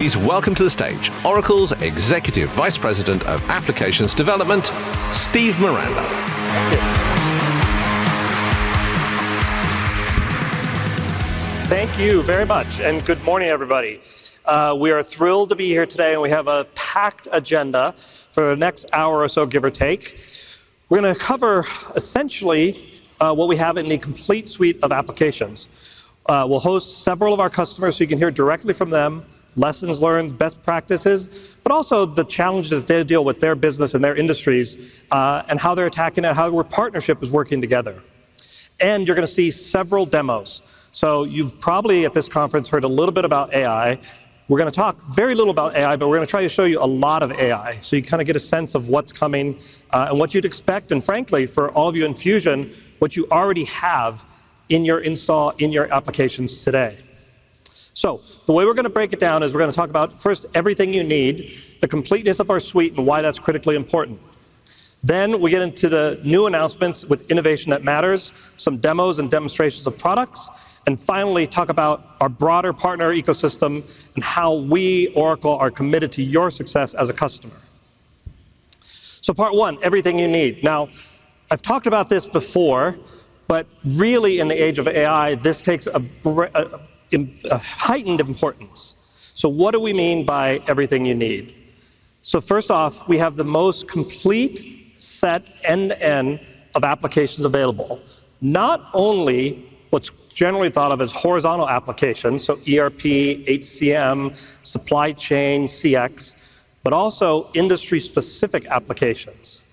Please welcome to the stage Oracle's Executive Vice President of Applications Development, Steve Miranda. Thank you very much, and good morning, everybody. We are thrilled to be here today, and we have a packed agenda for the next hour or so, give or take. We're going to cover essentially what we have in the complete suite of applications. We'll host several of our customers so you can hear directly from them, lessons learned, best practices, but also the challenges they deal with, their business and their industries, and how they're attacking it, how our partnership is working together. You're going to see several demos. You've probably, at this conference, heard a little bit about AI. We're going to talk very little about AI, but we're going to try to show you a lot of AI so you kind of get a sense of what's coming and what you'd expect, and frankly, for all of you in Fusion, what you already have in your install, in your applications today. The way we're going to break it down is we're going to talk about, first, everything you need, the completeness of our suite, and why that's critically important. We get into the new announcements with Innovation That Matters, some demos and demonstrations of products, and finally talk about our broader partner ecosystem and how we, Oracle, are committed to your success as a customer. Part one, everything you need. I've talked about this before, but really, in the age of AI, this takes a heightened importance. What do we mean by everything you need? First off, we have the most complete set end-to-end of applications available, not only what's generally thought of as horizontal applications, so ERP, HCM, supply chain, CX, but also industry-specific applications.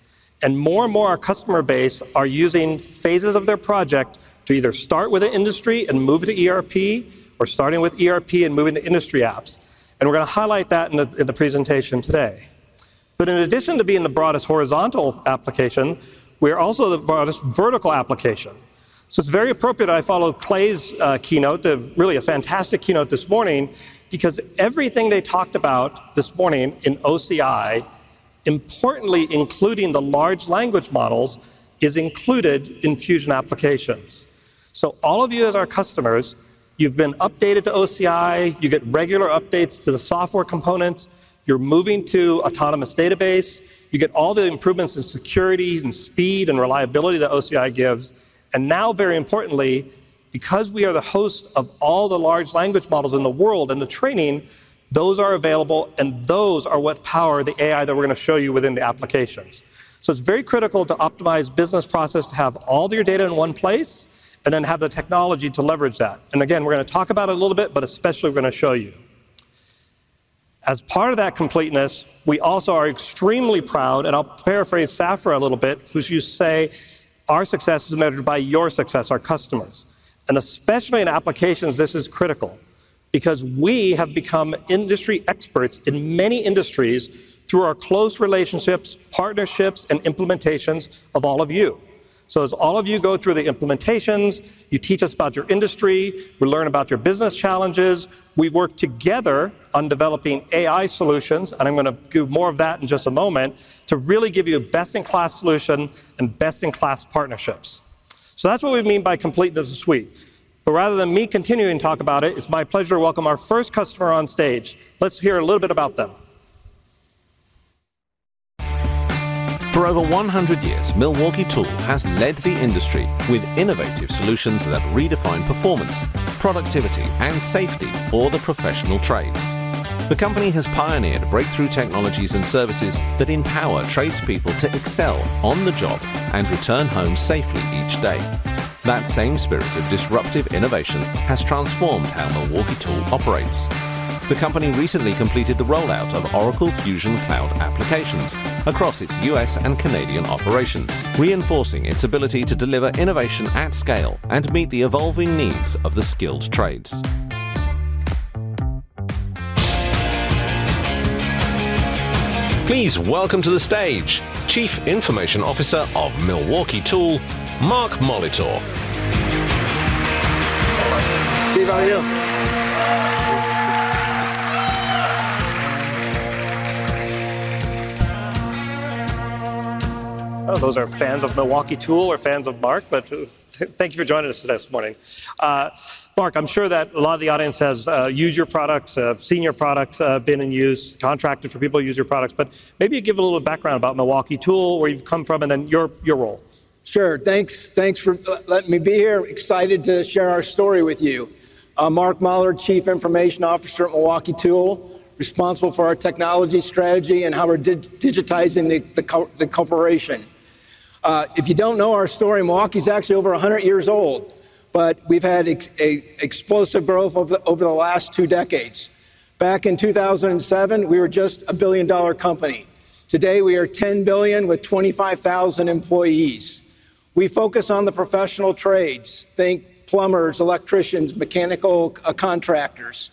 More and more, our customer base are using phases of their project to either start with an industry and move to ERP, or starting with ERP and moving to industry apps. We're going to highlight that in the presentation today. In addition to being the broadest horizontal application, we are also the broadest vertical application. It's very appropriate I followed Clay Magouyrk's keynote, really a fantastic keynote this morning, because everything they talked about this morning in Oracle Cloud Infrastructure, importantly, including the large language models, is included in Fusion Applications. All of you as our customers, you've been updated to OCI, you get regular updates to the software components, you're moving to Autonomous Database, you get all the improvements in security and speed and reliability that OCI gives. It is very important, because we are the host of all the large language models in the world and the training, those are available, and those are what power the AI that we're going to show you within the applications. It is very critical to optimize business process to have all of your data in one place and then have the technology to leverage that. We are going to talk about it a little bit, especially we are going to show you. As part of that completeness, we also are extremely proud, and I'll paraphrase Safra a little bit, who used to say, our success is measured by your success, our customers. Especially in applications, this is critical because we have become industry experts in many industries through our close relationships, partnerships, and implementations of all of you. As all of you go through the implementations, you teach us about your industry, we learn about your business challenges, we work together on developing AI solutions, and I'm going to do more of that in just a moment, to really give you a best-in-class solution and best-in-class partnerships. That is what we mean by completeness of the suite. Rather than me continuing to talk about it, it's my pleasure to welcome our first customer on stage. Let's hear a little bit about them. For over 100 years, Milwaukee Tool has led the industry with innovative solutions that redefine performance, productivity, and safety for the professional trades. The company has pioneered breakthrough technologies and services that empower tradespeople to excel on the job and return home safely each day. That same spirit of disruptive innovation has transformed how Milwaukee Tool operates. The company recently completed the rollout of Oracle Fusion Applications across its U.S. and Canadian operations, reinforcing its ability to deliver innovation at scale and meet the evolving needs of the skilled trades. Please welcome to the stage Chief Information Officer of Milwaukee Tool, Mark Molitor. See you about here. Oh, those are fans of Milwaukee Tool or fans of Mark, but thank you for joining us this morning. Mark, I'm sure that a lot of the audience has used your products, seen your products, been in use, contracted for people to use your products, but maybe you give a little background about Milwaukee Tool, where you've come from, and then your role. Sure. Thanks for letting me be here. Excited to share our story with you. Mark Molitor, Chief Information Officer at Milwaukee Tool, responsible for our technology strategy and how we're digitizing the corporation. If you don't know our story, Milwaukee is actually over 100 years old, but we've had explosive growth over the last two decades. Back in 2007, we were just a $1 billion company. Today, we are $10 billion with 25,000 employees. We focus on the professional trades, think plumbers, electricians, mechanical contractors.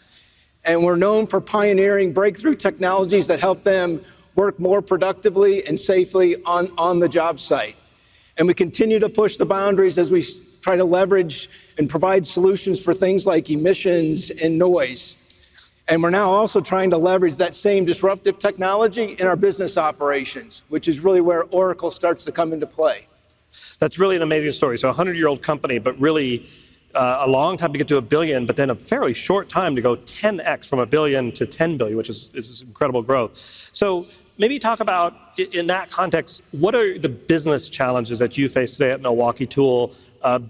We're known for pioneering breakthrough technologies that help them work more productively and safely on the job site. We continue to push the boundaries as we try to leverage and provide solutions for things like emissions and noise. We're now also trying to leverage that same disruptive technology in our business operations, which is really where Oracle starts to come into play. That's really an amazing story. A 100-year-old company, but really a long time to get to a billion, then a fairly short time to go 10x from $1 billion-$10 billion, which is incredible growth. Maybe talk about, in that context, what are the business challenges that you face today at Milwaukee Tool,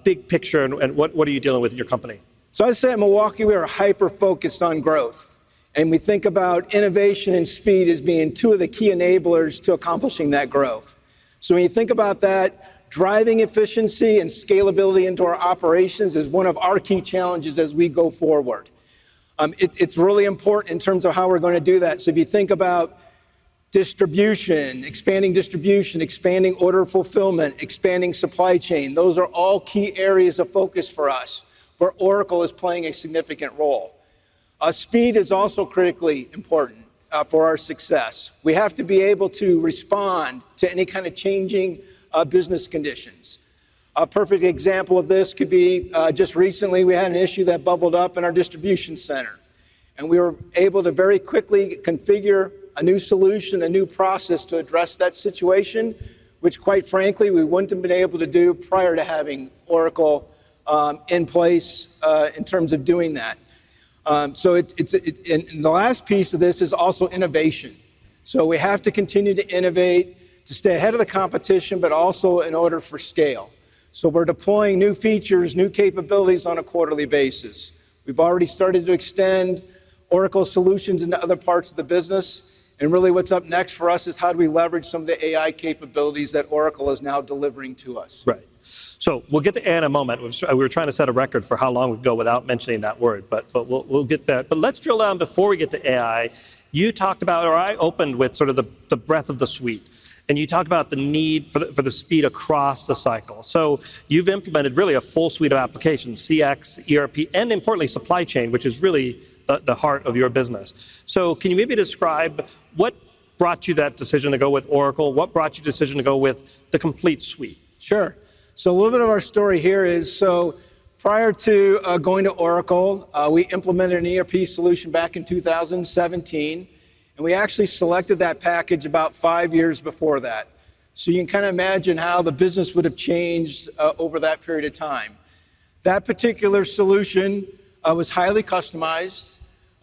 big picture, and what are you dealing with in your company? At Milwaukee, we are hyper-focused on growth. We think about innovation and speed as being two of the key enablers to accomplishing that growth. When you think about that, driving efficiency and scalability into our operations is one of our key challenges as we go forward. It's really important in terms of how we're going to do that. If you think about distribution, expanding distribution, expanding order fulfillment, expanding supply chain, those are all key areas of focus for us, where Oracle is playing a significant role. Speed is also critically important for our success. We have to be able to respond to any kind of changing business conditions. A perfect example of this could be just recently we had an issue that bubbled up in our distribution center. We were able to very quickly configure a new solution, a new process to address that situation, which, quite frankly, we wouldn't have been able to do prior to having Oracle in place in terms of doing that. The last piece of this is also innovation. We have to continue to innovate to stay ahead of the competition, but also in order for scale. We're deploying new features, new capabilities on a quarterly basis. We've already started to extend Oracle solutions into other parts of the business. Really, what's up next for us is how do we leverage some of the AI capabilities that Oracle is now delivering to us. Right. We'll get to AI in a moment. We were trying to set a record for how long we could go without mentioning that word, but we'll get there. Let's drill down before we get to AI. You talked about, or I opened with, the breadth of the suite. You talked about the need for speed across the cycle. You've implemented really a full suite of applications, CX, ERP, and importantly, supply chain, which is really the heart of your business. Can you maybe describe what brought you to that decision to go with Oracle? What brought you to the decision to go with the complete suite? Sure. A little bit of our story here is, prior to going to Oracle, we implemented an ERP solution back in 2017. We actually selected that package about five years before that. You can kind of imagine how the business would have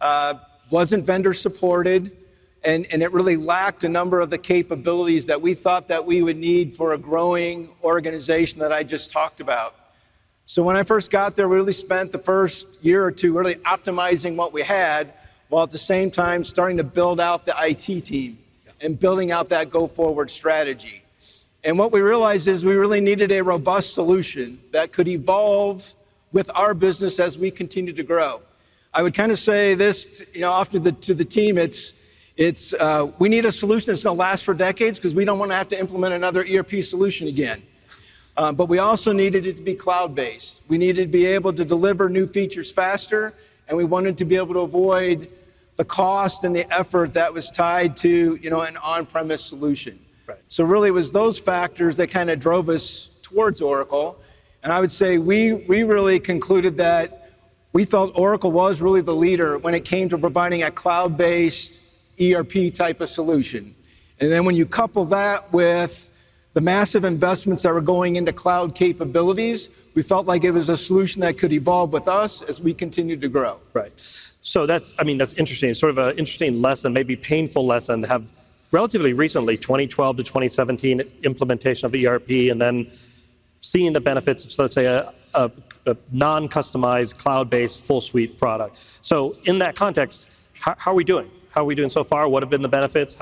changed over that period of time. That particular solution I was highly customized, was not vendor supported, and it really lacked a number of the capabilities that we thought that we would need for a growing organization that I just talked about. When I first got there, we really spent the first year or two optimizing what we had, while at the same time starting to build out the IT team and building out that go-forward strategy. What we realized is we really needed a robust solution that could evolve with our business as we continued to grow. I would kind of say this to the team, we need a solution that's going to last for decades because we do not want to have to implement another ERP solution again. We also needed it to be cloud-based. We needed to be able to deliver new features faster, and we wanted to be able to avoid the cost and the effort that was tied to an on-premise solution. It was those factors that kind of drove us towards Oracle. I would say we really concluded that we felt Oracle was really the leader when it came to providing a cloud-based ERP type of solution. When you couple that with the massive investments that were going into cloud capabilities, we felt like it was a solution that could evolve with us as we continued to grow. Right. That's interesting. It's sort of an interesting lesson, maybe a painful lesson, to have relatively recently, 2012-2017, implementation of ERP and then seeing the benefits of, let's say, a non-customized cloud-based full-suite product. In that context, how are we doing? How are we doing so far? What have been the benefits?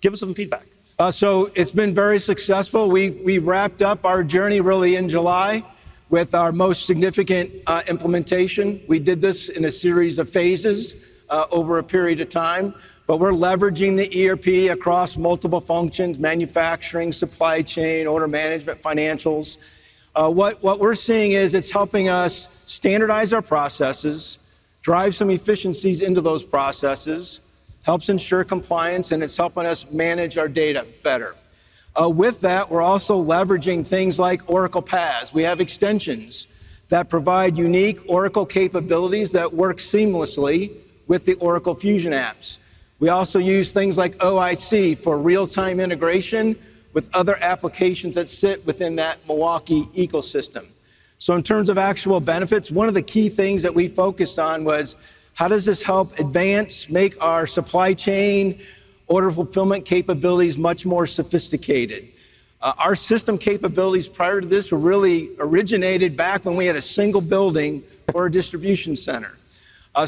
Give us some feedback. It's been very successful. We wrapped up our journey in July with our most significant implementation. We did this in a series of phases over a period of time. We're leveraging the ERP across multiple functions. Manufacturing, supply chain, order management, financials. What we're seeing is it's helping us standardize our processes, drive some efficiencies into those processes, helps ensure compliance, and it's helping us manage our data better. With that, we're also leveraging things like Oracle PaaS. We have extensions that provide unique Oracle capabilities that work seamlessly with the Oracle Fusion Apps. We also use things like OIC for real-time integration with other applications that sit within that Milwaukee ecosystem. In terms of actual benefits, one of the key things that we focused on was how does this help advance, make our supply chain order fulfillment capabilities much more sophisticated. Our system capabilities prior to this were really originated back when we had a single building for a distribution center.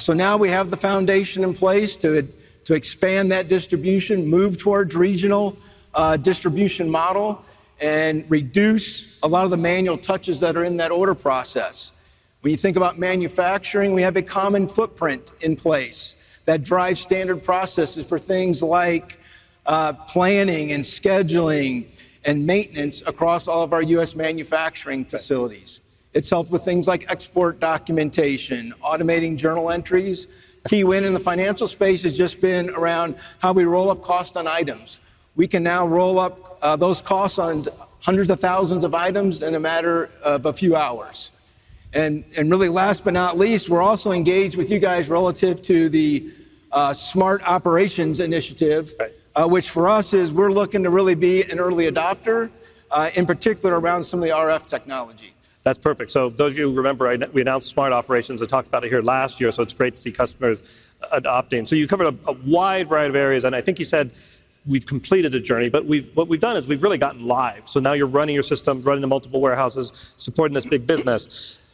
Now we have the foundation in place to expand that distribution, move towards a regional distribution model, and reduce a lot of the manual touches that are in that order process. When you think about manufacturing, we have a common footprint in place that drives standard processes for things like planning and scheduling and maintenance across all of our U.S. manufacturing facilities. It's helped with things like export documentation, automating journal entries. Key win in the financial space has just been around how we roll up cost on items. We can now roll up those costs on hundreds of thousands of items in a matter of a few hours. Last but not least, we're also engaged with you guys relative to the Smart Operations Initiative, which for us is we're looking to really be an early adopter, in particular around some of the RF technology. That's perfect. Those of you who remember, we announced Smart Operations. I talked about it here last year, so it's great to see customers adopting. You covered a wide variety of areas, and I think you said we've completed the journey, but what we've done is we've really gotten live. Now you're running your system, running the multiple warehouses, supporting this big business,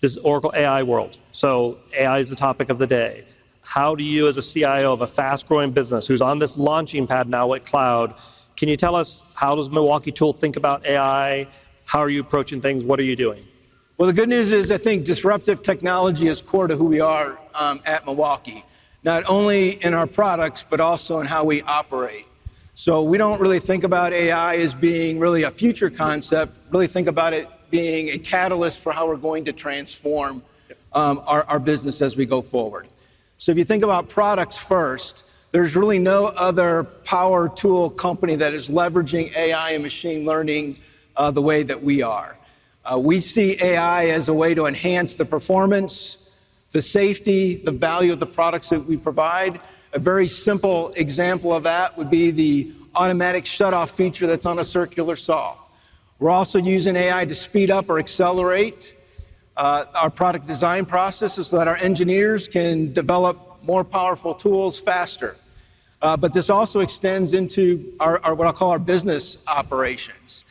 this Oracle AI world. AI is the topic of the day. How do you, as a CIO of a fast-growing business who's on this launching pad now with cloud, can you tell us how does Milwaukee Tool think about AI? How are you approaching things? What are you doing? Disruptive technology is core to who we are at Milwaukee Tool, not only in our products, but also in how we operate. We don't really think about AI as being really a future concept. We really think about it being a catalyst for how we're going to transform our business as we go forward. If you think about products first, there's really no other power tool company that is leveraging AI and machine learning the way that we are. We see AI as a way to enhance the performance, the safety, the value of the products that we provide. A very simple example of that would be the automatic shut-off feature that's on a circular saw. We're also using AI to speed up or accelerate our product design processes so that our engineers can develop more powerful tools faster. This also extends into what I'll call our business operations,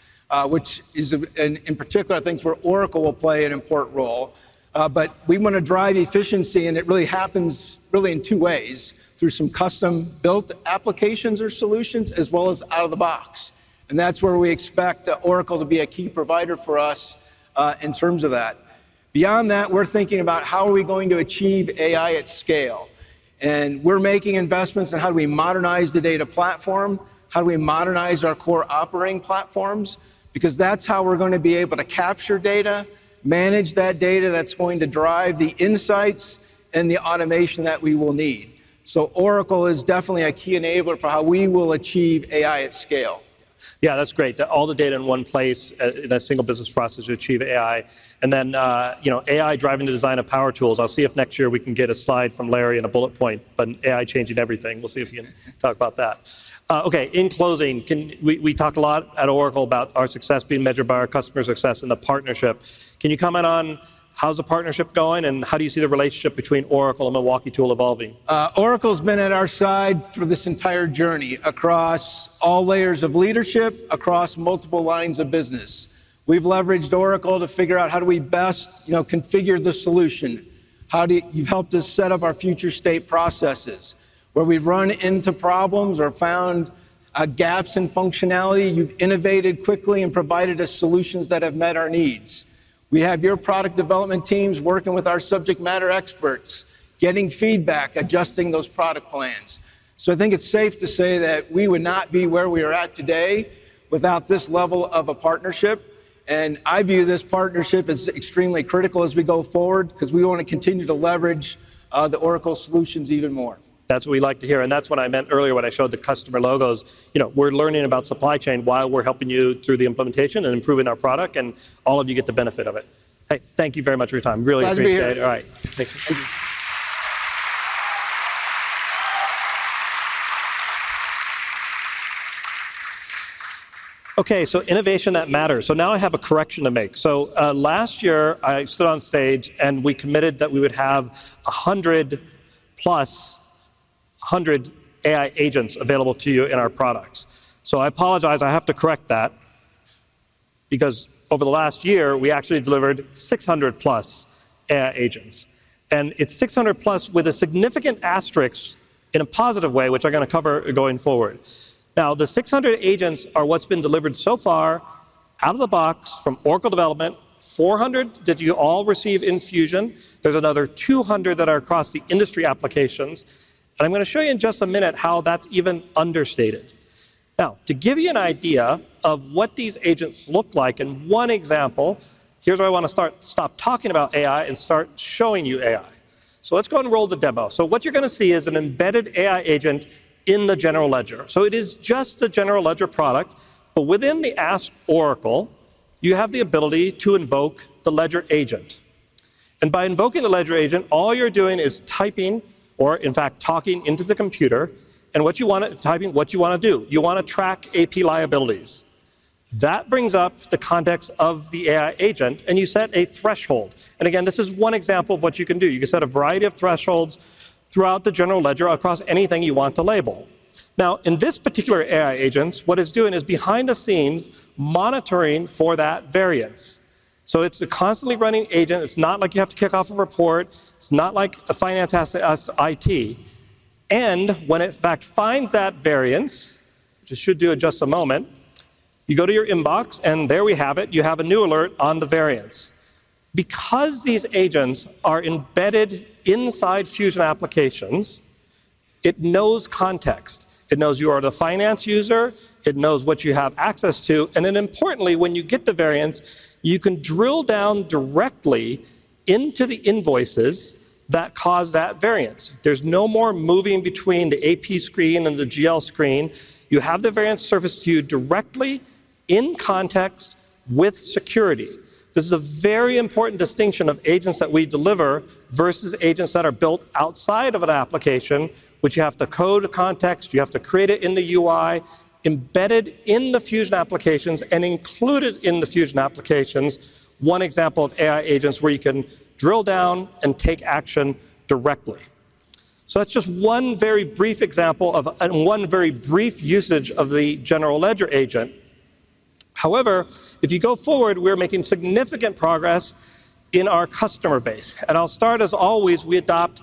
which is in particular things where Oracle will play an important role. We want to drive efficiency, and it really happens in two ways, through some custom-built applications or solutions, as well as out of the box. That's where we expect Oracle to be a key provider for us in terms of that. Beyond that, we're thinking about how are we going to achieve AI at scale. We're making investments in how do we modernize the data platform, how do we modernize our core operating platforms, because that's how we're going to be able to capture data, manage that data that's going to drive the insights and the automation that we will need. Oracle is definitely a key enabler for how we will achieve AI at scale. Yeah, that's great. All the data in one place, that single business process to achieve AI. Then AI driving the design of power tools. I'll see if next year we can get a slide from Larry and a bullet point about AI changing everything. We'll see if you can talk about that. Okay, in closing, we talked a lot at Oracle about our success being measured by our customer success and the partnership. Can you comment on how's the partnership going and how do you see the relationship between Oracle and Milwaukee Tool evolving? Oracle has been at our side for this entire journey across all layers of leadership, across multiple lines of business. We've leveraged Oracle to figure out how do we best configure the solution. You've helped us set up our future state processes. Where we've run into problems or found gaps in functionality, you've innovated quickly and provided us solutions that have met our needs. We have your product development teams working with our subject matter experts, getting feedback, adjusting those product plans. I think it's safe to say that we would not be where we are at today without this level of a partnership. I view this partnership as extremely critical as we go forward because we want to continue to leverage the Oracle solutions even more. That's what we like to hear. That's what I meant earlier when I showed the customer logos. We're learning about supply chain while we're helping you through the implementation and improving our product, and all of you get the benefit of it. Thank you very much for your time. Really appreciate it. All right. Thanks. Okay, innovation that matters. Now I have a correction to make. Last year, I stood on stage and we committed that we would have 100+ AI agents available to you in our products. I apologize. I have to correct that because over the last year, we actually delivered 600+ AI agents. It's 600+ with a significant asterisk in a positive way, which I'm going to cover going forward. The 600 agents are what's been delivered so far out of the box from Oracle development. 400 did you all receive in Fusion. There's another 200 that are across the industry applications. I'm going to show you in just a minute how that's even understated. To give you an idea of what these agents look like in one example, here's where I want to stop talking about AI and start showing you AI. Let's go ahead and roll the demo. What you're going to see is an embedded AI agent in the general ledger. It is just the general ledger product, but within the Ask Oracle, you have the ability to invoke the ledger agent. By invoking the ledger agent, all you're doing is typing or, in fact, talking into the computer and what you want to do. You want to track AP liabilities. That brings up the context of the AI agent, and you set a threshold. This is one example of what you can do. You can set a variety of thresholds throughout the general ledger across anything you want to label. In this particular AI agent, what it's doing is behind the scenes monitoring for that variance. It's a constantly running agent. It's not like you have to kick off a report. It's not like a finance asset as IT. When it, in fact, finds that variance, which it should do in just a moment, you go to your inbox, and there we have it. You have a new alert on the variance. Because these agents are embedded inside Fusion applications, it knows context. It knows you are the finance user. It knows what you have access to. Importantly, when you get the variance, you can drill down directly into the invoices that cause that variance. There's no more moving between the AP screen and the GL screen. You have the variance surfaced to you directly in context with security. This is a very important distinction of agents that we deliver versus agents that are built outside of an application, which you have to code context. You have to create it in the UI, embedded in the Fusion applications, and included in the Fusion applications. One example of AI agents where you can drill down and take action directly. That's just one very brief example of one very brief usage of the general ledger agent. However, if you go forward, we are making significant progress in our customer base. I'll start, as always, we adopt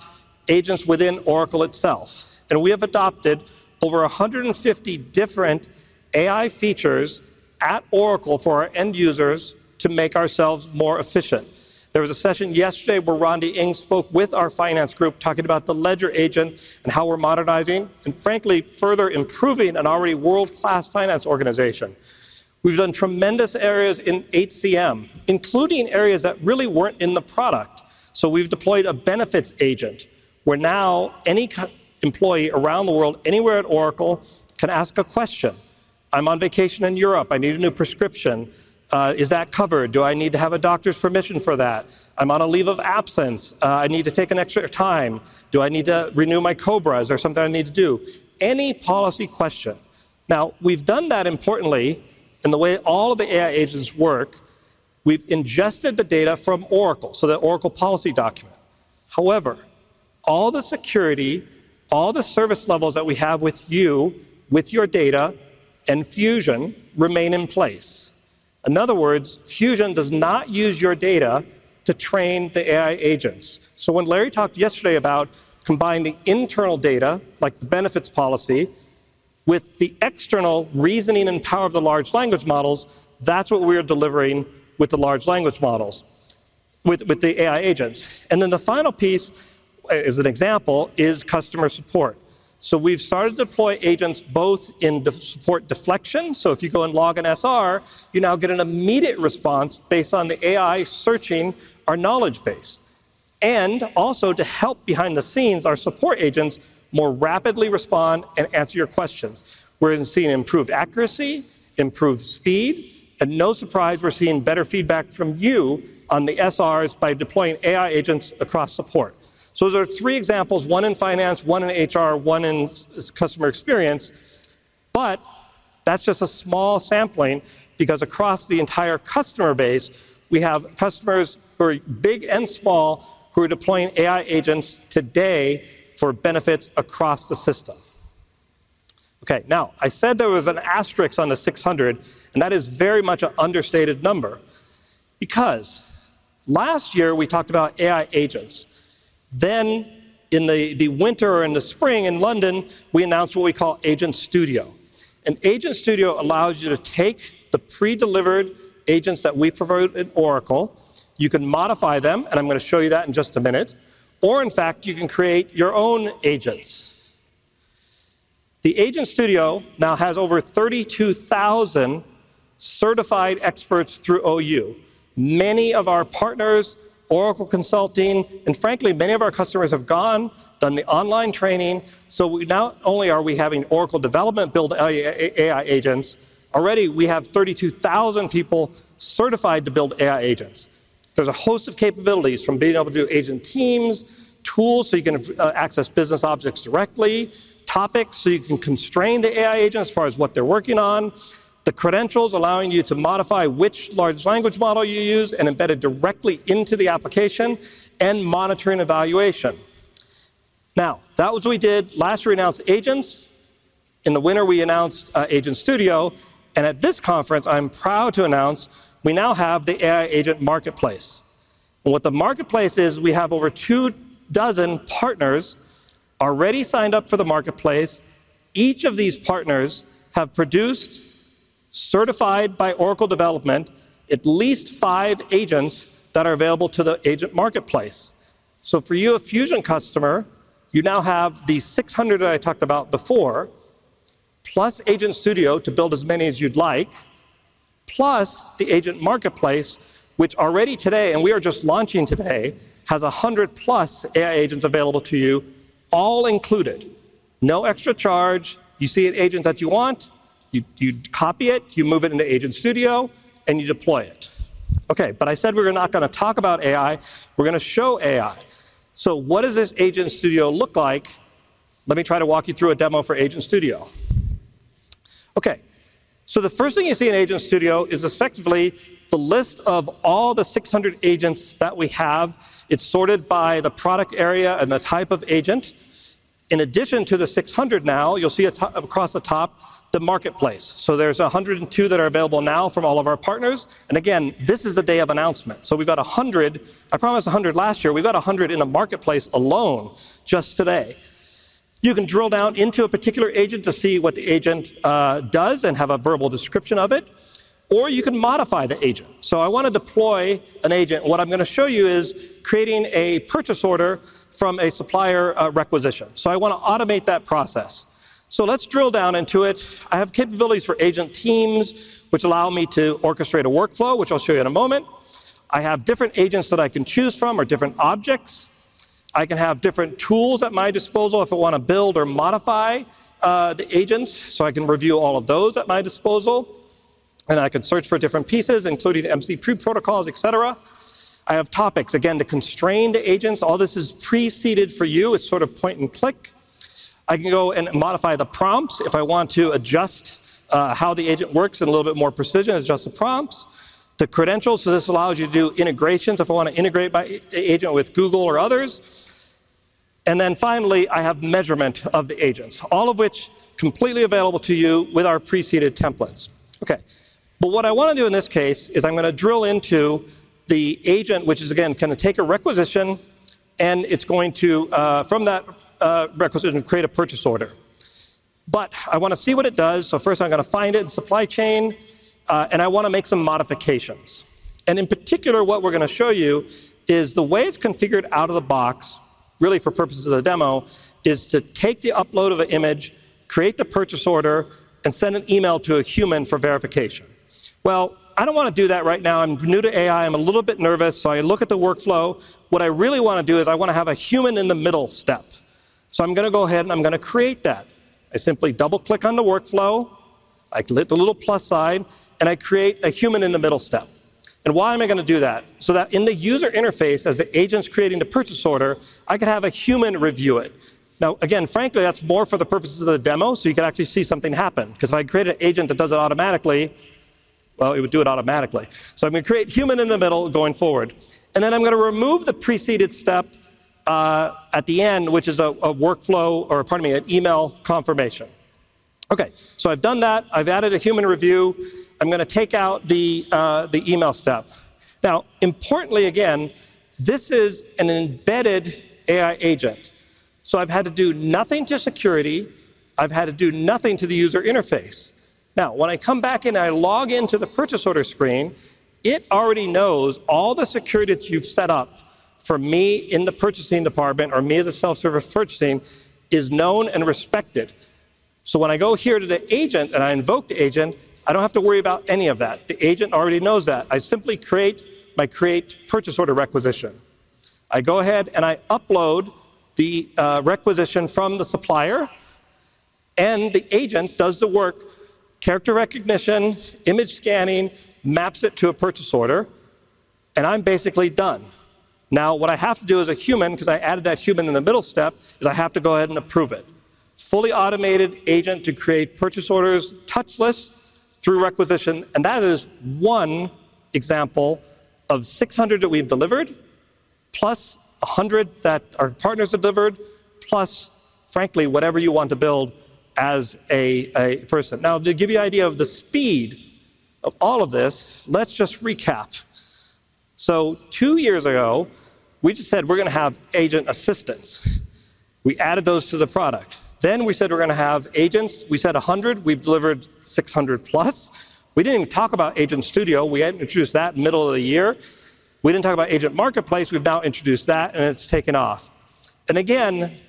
agents within Oracle itself. We have adopted over 150 different AI features at Oracle for our end users to make ourselves more efficient. There was a session yesterday where Randi Ng spoke with our finance group, talking about the ledger agent and how we're modernizing and, frankly, further improving an already world-class finance organization. We've done tremendous areas in HCM, including areas that really weren't in the product. We've deployed a benefits agent where now any employee around the world, anywhere at Oracle, can ask a question. I'm on vacation in Europe. I need a new prescription. Is that covered? Do I need to have a doctor's permission for that? I'm on a leave of absence. I need to take extra time. Do I need to renew my COBRA? Is there something I need to do? Any policy question. We've done that importantly, and the way all of the AI agents work, we've ingested the data from Oracle, so the Oracle policy document. However, all the security, all the service levels that we have with you, with your data, and Fusion remain in place. In other words, Fusion does not use your data to train the AI agents. When Larry talked yesterday about combining internal data, like the benefits policy, with the external reasoning and power of the large language models, that's what we are delivering with the large language models with the AI agents. The final piece is an example, is customer support. We've started to deploy agents both in support deflection. If you go and log an SR, you now get an immediate response based on the AI searching our knowledge base. Also, to help behind the scenes, our support agents more rapidly respond and answer your questions. We're seeing improved accuracy, improved speed, and no surprise, we're seeing better feedback from you on the SRs by deploying AI agents across support. Those are three examples, one in finance, one in HR, one in customer experience. That's just a small sampling because across the entire customer base, we have customers who are big and small who are deploying AI agents today for benefits across the system. Okay, now I said there was an asterisk on the 600, and that is very much an understated number because last year we talked about AI agents. In the winter or in the spring in London, we announced what we call Agent Studio. Agent Studio allows you to take the pre-delivered agents that we provide at Oracle. You can modify them, and I'm going to show you that in just a minute. In fact, you can create your own agents. The Agent Studio now has over 32,000 certified experts through OU. Many of our partners, Oracle Consulting, and frankly, many of our customers have gone, done the online training. Not only are we having Oracle development build AI agents, already we have 32,000 people certified to build AI agents. There's a host of capabilities from being able to do agent teams, tools so you can access business objects directly, topics so you can constrain the AI agents as far as what they're working on, the credentials allowing you to modify which large language model you use and embed it directly into the application, and monitoring evaluation. That was what we did. Last year, we announced agents. In the winter, we announced Agent Studio. At this conference, I'm proud to announce we now have the AI Agent Marketplace. The Marketplace is, we have over two dozen partners already signed up for the Marketplace. Each of these partners have produced, certified by Oracle Development, at least five agents that are available to the Agent Marketplace. For you, a Fusion customer, you now have the 600 that I talked about before, plus Agent Studio to build as many as you'd like, plus the Agent Marketplace, which already today, and we are just launching today, has 100 plus AI agents available to you, all included, no extra charge. You see an agent that you want, you copy it, you move it into Agent Studio, and you deploy it. I said we were not going to talk about AI. We're going to show AI. What does this Agent Studio look like? Let me try to walk you through a demo for Agent Studio. The first thing you see in Agent Studio is effectively the list of all the 600 agents that we have. It's sorted by the product area and the type of agent. In addition to the 600 now, you'll see across the top the Marketplace. There's 102 that are available now from all of our partners. This is the day of announcement. We've got 100. I promised 100 last year. We've got 100 in the Marketplace alone just today. You can drill down into a particular agent to see what the agent does and have a verbal description of it, or you can modify the agent. I want to deploy an agent. What I'm going to show you is creating a purchase order from a supplier requisition. I want to automate that process. Let's drill down into it. I have capabilities for agent teams, which allow me to orchestrate a workflow, which I'll show you in a moment. I have different agents that I can choose from or different objects. I can have different tools at my disposal if I want to build or modify the agents. I can review all of those at my disposal. I could search for different pieces, including MCP protocols, etc. I have topics, again, to constrain the agents. All this is preceded for you. It's sort of point and click. I can go and modify the prompts if I want to adjust how the agent works in a little bit more precision, adjust the prompts, the credentials. This allows you to do integrations if I want to integrate the agent with Google or others. Finally, I have measurement of the agents, all of which are completely available to you with our preceded templates. What I want to do in this case is I'm going to drill into the agent, which is, again, going to take a requisition, and it's going to, from that requisition, create a purchase order. I want to see what it does. First, I'm going to find it in supply chain, and I want to make some modifications. In particular, what we're going to show you is the way it's configured out of the box, really for purposes of the demo, is to take the upload of an image, create the purchase order, and send an email to a human for verification. I don't want to do that right now. I'm new to AI. I'm a little bit nervous. I look at the workflow. What I really want to do is I want to have a human in the middle step. I'm going to go ahead and I'm going to create that. I simply double-click on the workflow. I click the little plus sign, and I create a human in the middle step. Why am I going to do that? So that in the user interface, as the agent's creating the purchase order, I could have a human review it. Frankly, that's more for the purposes of the demo so you can actually see something happen. If I create an agent that does it automatically, it would do it automatically. I'm going to create a human in the middle going forward. I'm going to remove the preceded step at the end, which is a workflow, or pardon me, an email confirmation. Okay, I've done that. I've added a human review. I'm going to take out the email step. Importantly, this is an embedded AI agent. I've had to do nothing to security. I've had to do nothing to the user interface. Now, when I come back and I log into the purchase order screen, it already knows all the security that you've set up for me in the purchasing department or me as a self-service purchasing is known and respected. When I go here to the agent and I invoke the agent, I don't have to worry about any of that. The agent already knows that. I simply create my create purchase order requisition. I go ahead and I upload the requisition from the supplier, and the agent does the work, character recognition, image scanning, maps it to a purchase order, and I'm basically done. What I have to do as a human, because I added that human in the middle step, is I have to go ahead and approve it. Fully automated agent to create purchase orders touchless through requisition. That is one example of 600 that we've delivered, plus 100 that our partners have delivered, plus, frankly, whatever you want to build as a person. To give you an idea of the speed of all of this, let's just recap. Two years ago, we just said we're going to have agent assistants. We added those to the product. We said we're going to have agents. We said 100. We've delivered 600+. We didn't even talk about Agent Studio. We introduced that in the middle of the year. We didn't talk about AI Agent Marketplace. We've now introduced that, and it's taken off. To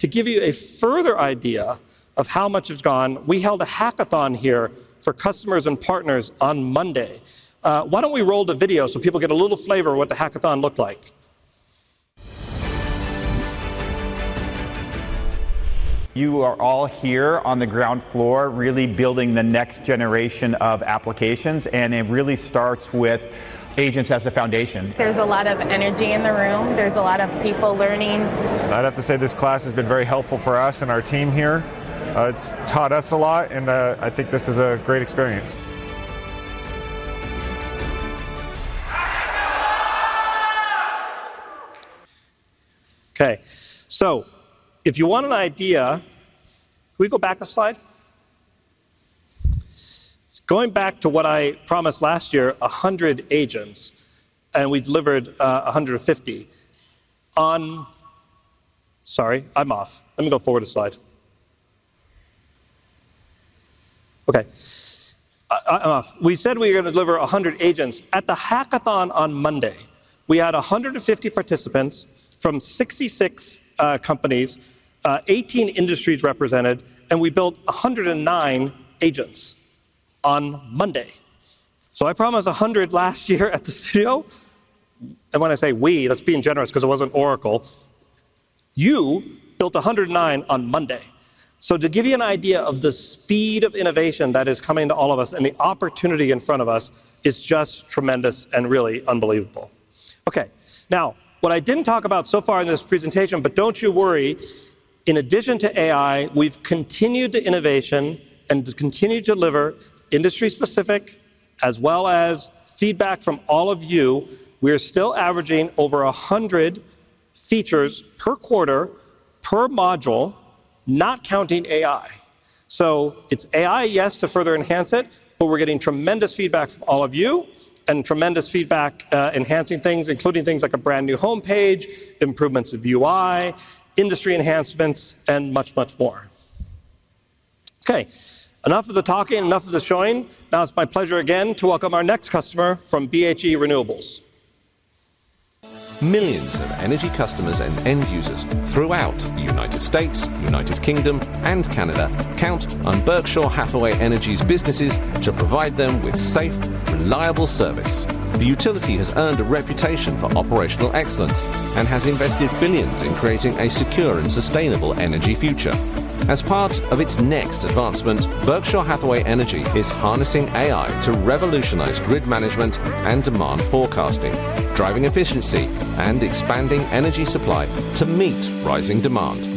give you a further idea of how much has gone, we held a hackathon here for customers and partners on Monday. Why don't we roll the video so people get a little flavor of what the hackathon looked like? You are all here on the ground floor really building the next generation of applications. It really starts with agents as a foundation. There's a lot of energy in the room. There's a lot of people learning. I'd have to say this class has been very helpful for us and our team here. It's taught us a lot, and I think this is a great experience. Okay, if you want an idea, can we go back a slide? Going back to what I promised last year, 100 agents, and we delivered 150. Sorry, I'm off. Let me go forward a slide. Okay, I'm off. We said we were going to deliver 100 agents. At the hackathon on Monday, we had 150 participants from 66 companies, 18 industries represented, and we built 109 agents on Monday. I promised 100 last year at the studio. When I say we, let's be generous because it wasn't Oracle. You built 109 on Monday. To give you an idea of the speed of innovation that is coming to all of us and the opportunity in front of us, it's just tremendous and really unbelievable. What I didn't talk about so far in this presentation, but don't you worry, in addition to AI, we've continued the innovation and continued to deliver industry-specific, as well as feedback from all of you. We are still averaging over 100 features per quarter, per module, not counting AI. It's AI, yes, to further enhance it, but we're getting tremendous feedback from all of you and tremendous feedback enhancing things, including things like a brand new home page, improvements of UI, industry enhancements, and much, much more. Enough of the talking, enough of the showing. Now it's my pleasure again to welcome our next customer from BHE Renewables. Millions of energy customers and end users throughout the United States, the United Kingdom, and Canada count on BHE Renewables' businesses to provide them with safe, reliable service. The utility has earned a reputation for operational excellence and has invested billions in creating a secure and sustainable energy future. As part of its next advancement, BHE Renewables is harnessing AI to revolutionize grid management and demand forecasting, driving efficiency and expanding energy supply to meet rising demand.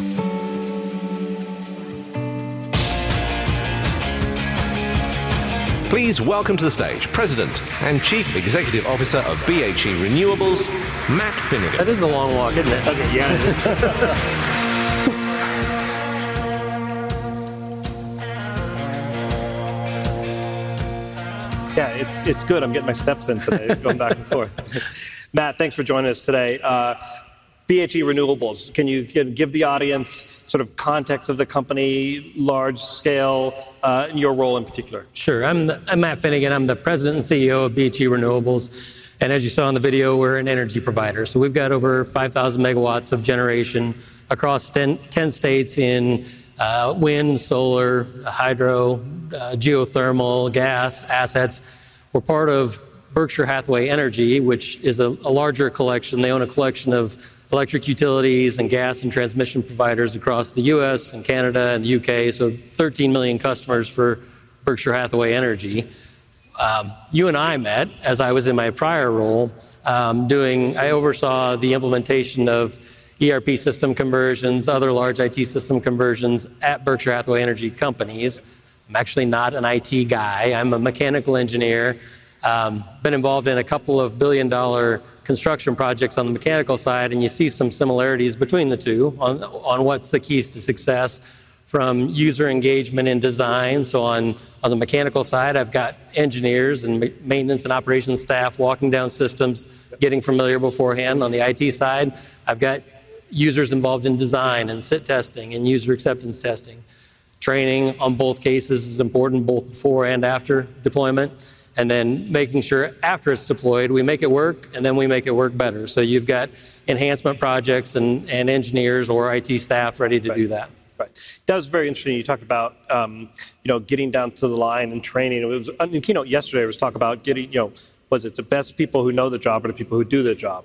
Please welcome to the stage President and Chief Executive Officer of BHE Renewables, Matt Finnegan. That is a long walk, isn't it? Yeah, it's good. I'm getting my steps in today, going back and forth. Matt, thanks for joining us today. BHE Renewables, can you give the audience sort of context of the company, large scale, your role in particular? Sure. I'm Matt Finnegan. I'm the President and CEO of BHE Renewables. As you saw in the video, we're an energy provider. We've got over 5,000 MW of generation across 10 states in wind, solar, hydro, geothermal, gas assets. We're part of Berkshire Hathaway Energy, which is a larger collection. They own a collection of electric utilities and gas and transmission providers across the U.S. and Canada and the U.K., so 13 million customers for Berkshire Hathaway Energy. You and I met as I was in my prior role doing, I oversaw the implementation of ERP system conversions, other large IT system conversions at Berkshire Hathaway Energy companies. I'm actually not an IT guy. I'm a mechanical engineer. I've been involved in a couple of billion-dollar construction projects on the mechanical side, and you see some similarities between the two on what's the keys to success from user engagement and design. On the mechanical side, I've got engineers and maintenance and operations staff walking down systems, getting familiar beforehand. On the IT side, I've got users involved in design and sit testing and user acceptance testing. Training in both cases is important, both before and after deployment, and then making sure after it's deployed, we make it work, and then we make it work better. You've got enhancement projects and engineers or IT staff ready to do that. Right. That was very interesting. You talked about getting down to the line and training. In the keynote yesterday, it was talk about getting, was it the best people who know the job or the people who do the job?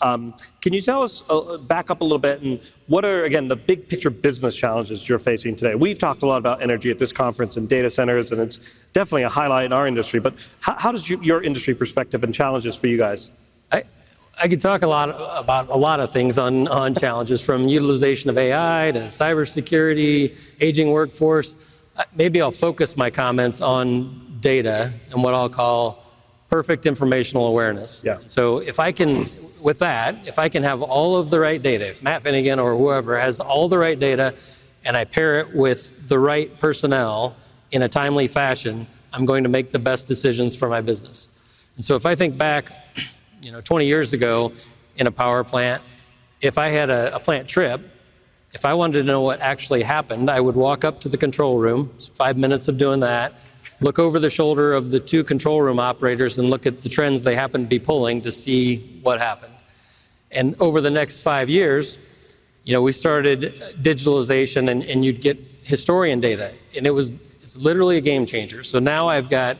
Can you tell us, back up a little bit, what are, again, the big picture business challenges you're facing today? We've talked a lot about energy at this conference and data centers, and it's definitely a highlight in our industry. How does your industry perspective and challenges for you guys? I could talk a lot about a lot of things on challenges, from utilization of AI to cybersecurity, aging workforce. Maybe I'll focus my comments on data and what I'll call perfect informational awareness. If I can have all of the right data, if Matt Finnegan or whoever has all the right data and I pair it with the right personnel in a timely fashion, I'm going to make the best decisions for my business. If I think back 20 years ago in a power plant, if I had a plant trip, if I wanted to know what actually happened, I would walk up to the control room, five minutes of doing that, look over the shoulder of the two control room operators, and look at the trends they happened to be pulling to see what happened. Over the next five years, we started digitalization, and you'd get historian data. It's literally a game changer. Now I've got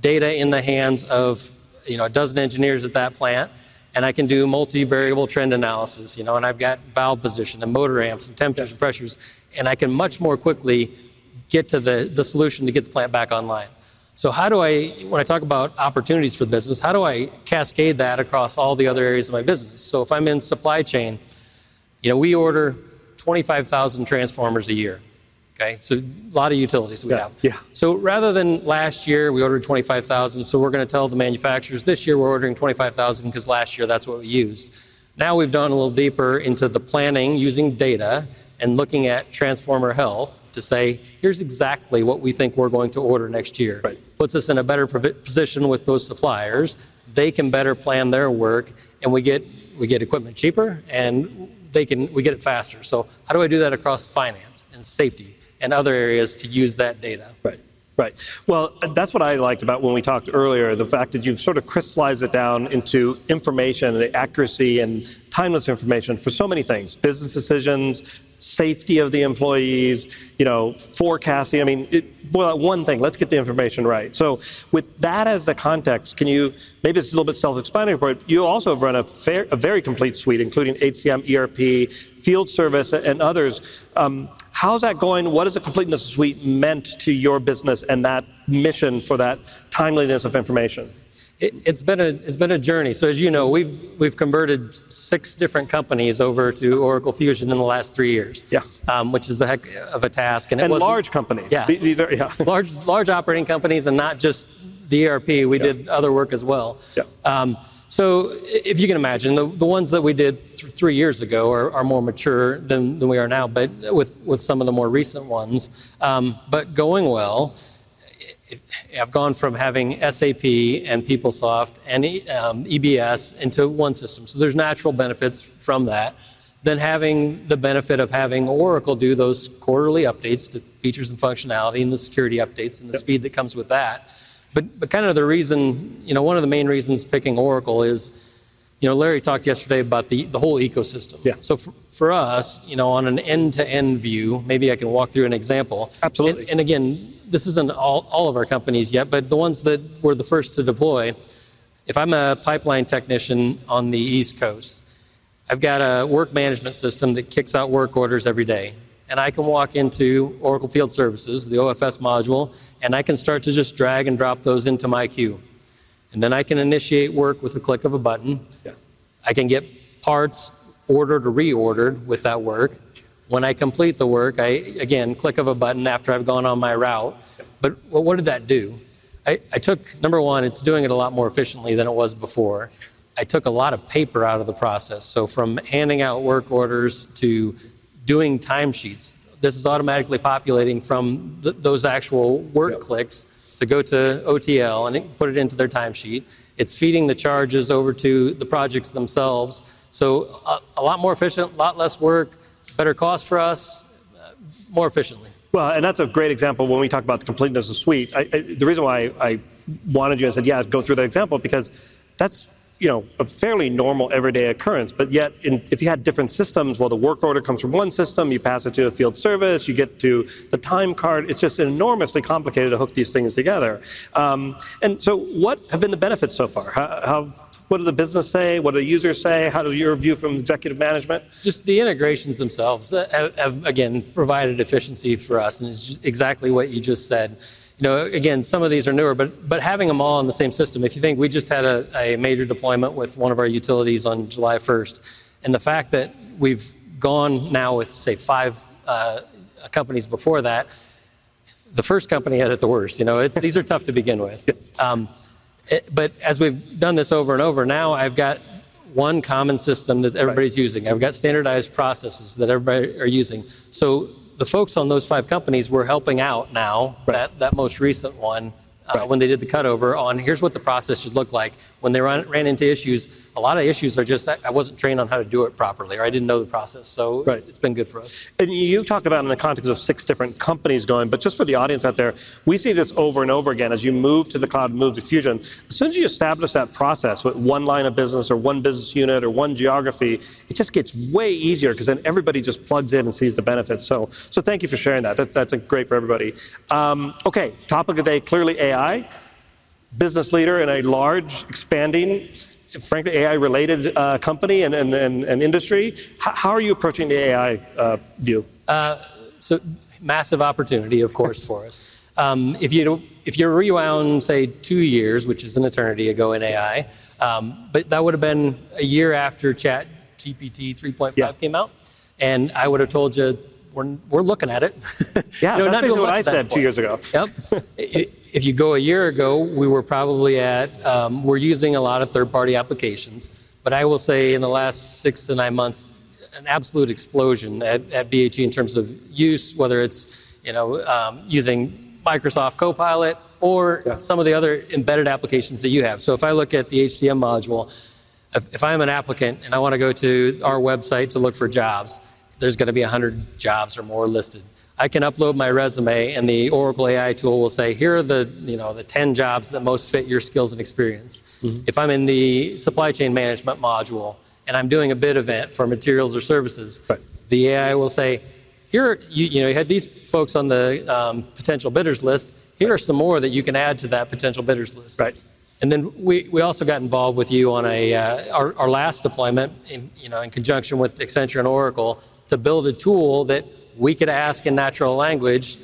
data in the hands of a dozen engineers at that plant, and I can do multivariable trend analysis. I've got valve position and motor amps and temperatures and pressures. I can much more quickly get to the solution to get the plant back online. When I talk about opportunities for the business, how do I cascade that across all the other areas of my business? If I'm in supply chain, we order 25,000 transformers a year. A lot of utilities we have. Rather than last year, we ordered 25,000, so we're going to tell the manufacturers this year we're ordering 25,000 because last year that's what we used. Now we've done a little deeper into the planning using data and looking at transformer health to say, here's exactly what we think we're going to order next year. Puts us in a better position with those suppliers. They can better plan their work, and we get equipment cheaper, and we get it faster. How do I do that across finance and safety and other areas to use that data? Right. That's what I liked about when we talked earlier, the fact that you've sort of crystallized it down into information and the accuracy and timeliness of information for so many things, business decisions, safety of the employees, forecasting. One thing, let's get the information right. With that as the context, can you, maybe it's a little bit self-explanatory, but you also have run a very complete suite, including HCM, ERP, field service, and others. How is that going? What has the completeness of the suite meant to your business and that mission for that timeliness of information? It's been a journey. As you know, we've converted six different companies over to Oracle Fusion Applications in the last three years, which is a heck of a task. Large companies. Yeah, large operating companies and not just the ERP. We did other work as well. If you can imagine, the ones that we did three years ago are more mature than we are now with some of the more recent ones. Going well, I've gone from having SAP and PeopleSoft and EBS into one system. There are natural benefits from that, then having the benefit of having Oracle do those quarterly updates to features and functionality, the security updates, and the speed that comes with that. One of the main reasons picking Oracle is Larry talked yesterday about the whole ecosystem. For us, on an end-to-end view, maybe I can walk through an example. Absolutely. This isn't all of our companies yet, but the ones that were the first to deploy, if I'm a pipeline technician on the East Coast, I've got a work management system that kicks out work orders every day. I can walk into Oracle Field Services, the OFS module, and I can start to just drag and drop those into my queue. I can initiate work with the click of a button. I can get parts ordered or reordered with that work. When I complete the work, I, again, click of a button after I've gone on my route. What did that do? Number one, it's doing it a lot more efficiently than it was before. I took a lot of paper out of the process. From handing out work orders to doing timesheets, this is automatically populating from those actual work clicks to go to OTL and put it into their timesheet. It's feeding the charges over to the projects themselves. A lot more efficient, a lot less work, better cost for us, more efficiently. That's a great example when we talk about the completeness of the suite. The reason why I wanted you and said, yeah, go through that example, is because that's a fairly normal everyday occurrence. Yet, if you had different systems, the work order comes from one system, you pass it to a field service, you get to the time card. It's just enormously complicated to hook these things together. What have been the benefits so far? What does the business say? What do the users say? How does your view from executive management? The integrations themselves have, again, provided efficiency for us. It's exactly what you just said. Some of these are newer, but having them all in the same system, if you think we just had a major deployment with one of our utilities on July 1, and the fact that we've gone now with, say, five companies before that, the first company had it the worst. These are tough to begin with. As we've done this over and over, now I've got one common system that everybody's using. I've got standardized processes that everybody is using. The folks on those five companies were helping out now, that most recent one, when they did the cutover on here's what the process should look like when they ran into issues. A lot of issues are just I wasn't trained on how to do it properly or I didn't know the process. It's been good for us. You talked about in the context of six different companies going, but just for the audience out there, we see this over and over again as you move to the cloud, move to Oracle Fusion Applications. As soon as you establish that process with one line of business or one business unit or one geography, it just gets way easier because then everybody just plugs in and sees the benefits. Thank you for sharing that. That's great for everybody. Okay, topic of the day, clearly AI. Business leader in a large expanding, frankly, AI-related company and industry, how are you approaching the AI view? Massive opportunity, of course, for us. If you rewound, say, two years, which is an eternity ago in AI, that would have been a year after ChatGPT 3.5 came out. I would have told you we're looking at it. Yeah, that's what I said two years ago. Yep. If you go a year ago, we were probably at, we're using a lot of third-party applications. I will say in the last six to nine months, an absolute explosion at BHE Renewables in terms of use, whether it's using Microsoft Copilot or some of the other embedded applications that you have. If I look at the HCM module, if I'm an applicant and I want to go to our website to look for jobs, there's going to be 100 jobs or more listed. I can upload my resume, and the Oracle AI tool will say, here are the 10 jobs that most fit your skills and experience. If I'm in the supply chain management module and I'm doing a bid event for materials or services, the AI will say, here you had these folks on the potential bidders list. Here are some more that you can add to that potential bidders list. We also got involved with you on our last deployment in conjunction with Accenture and Oracle to build a tool that we could ask in natural language.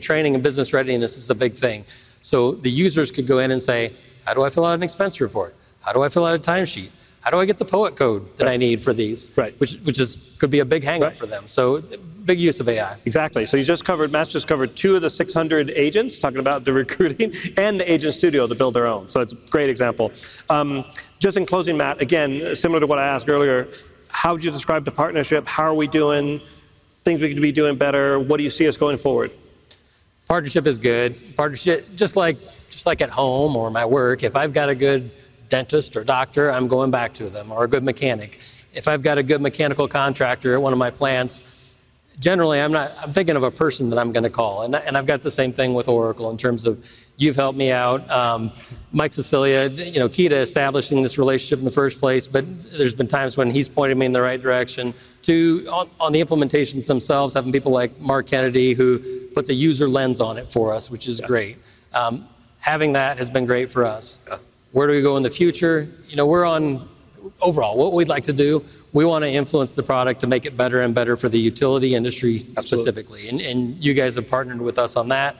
Training and business readiness is a big thing. The users could go in and say, how do I fill out an expense report? How do I fill out a timesheet? How do I get the POET code that I need for these, which could be a big hang-up for them. Big use of AI. Exactly. You just covered, Matt's just covered two of the 600 agents talking about the recruiting and the Agent Studio to build their own. It's a great example. Just in closing, Matt, again, similar to what I asked earlier, how would you describe the partnership? How are we doing? Things we could be doing better? What do you see us going forward? Partnership is good. Partnership, just like at home or my work, if I've got a good dentist or doctor, I'm going back to them, or a good mechanic. If I've got a good mechanical contractor at one of my plants, generally, I'm thinking of a person that I'm going to call. I've got the same thing with Oracle in terms of you've helped me out. Mike Sicilia, key to establishing this relationship in the first place, but there's been times when he's pointed me in the right direction. On the implementations themselves, having people like Mark Kennedy, who puts a user lens on it for us, which is great. Having that has been great for us. Where do we go in the future? We're on overall, what we'd like to do, we want to influence the product to make it better and better for the utility industry specifically. You guys have partnered with us on that.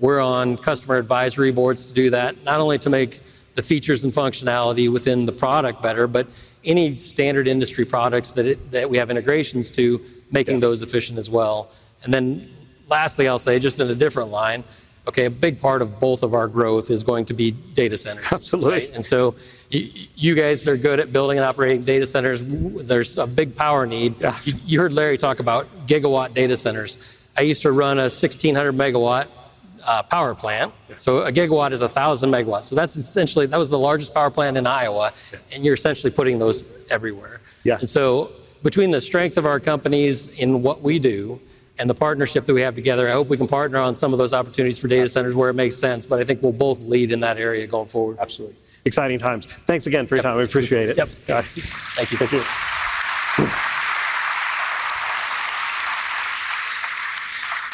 We're on customer advisory boards to do that, not only to make the features and functionality within the product better, but any standard industry products that we have integrations to, making those efficient as well. Lastly, I'll say just in a different line, a big part of both of our growth is going to be data centers. Absolutely. You guys are good at building and operating data centers. There's a big power need. You heard Larry talk about gigawatt data centers. I used to run a 1,600 megawatt power plant. A gigawatt is 1,000 megawatts. That's essentially, that was the largest power plant in Iowa. You're essentially putting those everywhere. Between the strength of our companies in what we do and the partnership that we have together, I hope we can partner on some of those opportunities for data centers where it makes sense. I think we'll both lead in that area going forward. Absolutely. Exciting times. Thanks again for your time. We appreciate it. Yep. Thank you. Thank you.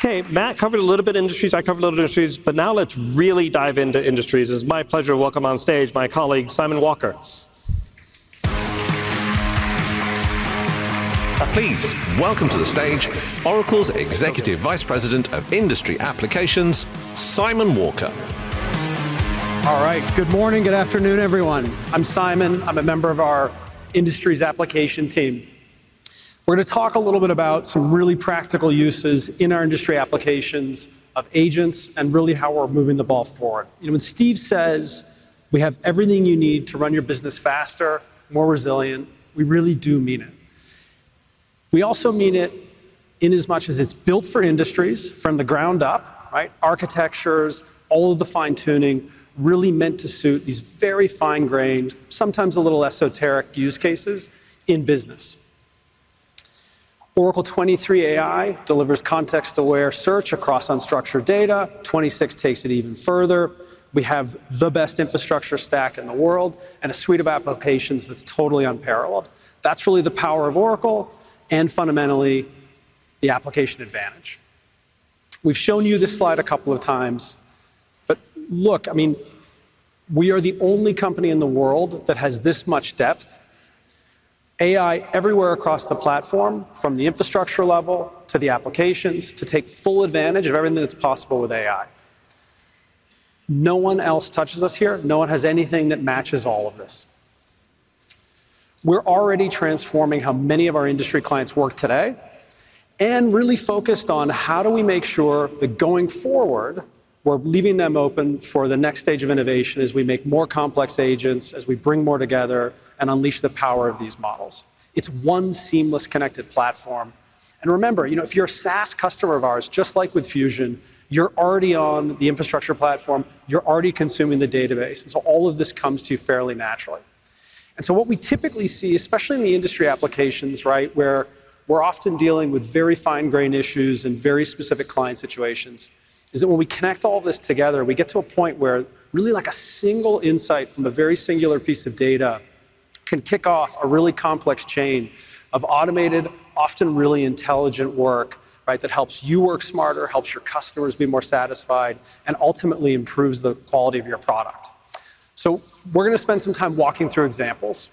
OK, Matt covered a little bit of industries. I covered a little bit of industries. Now let's really dive into industries. It's my pleasure to welcome on stage my colleague, Simon Walker. Please welcome to the stage Oracle's Executive Vice President of Industry Applications, Simon Walker. All right. Good morning. Good afternoon, everyone. I'm Simon. I'm a member of our Industries Application team. We're going to talk a little bit about some really practical uses in our industry applications of agents and really how we're moving the ball forward. When Steve says we have everything you need to run your business faster, more resilient, we really do mean it. We also mean it in as much as it's built for industries from the ground up, architectures, all of the fine-tuning, really meant to suit these very fine-grained, sometimes a little esoteric use cases in business. Oracle 23AI delivers context-aware search across unstructured data. 26 takes it even further. We have the best infrastructure stack in the world and a suite of applications that's totally unparalleled. That's really the power of Oracle and fundamentally the application advantage. We've shown you this slide a couple of times. Look, I mean, we are the only company in the world that has this much depth, AI everywhere across the platform, from the infrastructure level to the applications, to take full advantage of everything that's possible with AI. No one else touches us here. No one has anything that matches all of this. We're already transforming how many of our industry clients work today and really focused on how do we make sure that going forward, we're leaving them open for the next stage of innovation as we make more complex agents, as we bring more together, and unleash the power of these models. It's one seamless, connected platform. Remember, if you're a SaaS customer of ours, just like with Fusion, you're already on the infrastructure platform. You're already consuming the database. All of this comes to you fairly naturally. What we typically see, especially in the industry applications, where we're often dealing with very fine-grained issues and very specific client situations, is that when we connect all of this together, we get to a point where really like a single insight from a very singular piece of data can kick off a really complex chain of automated, often really intelligent work that helps you work smarter, helps your customers be more satisfied, and ultimately improves the quality of your product. We're going to spend some time walking through examples.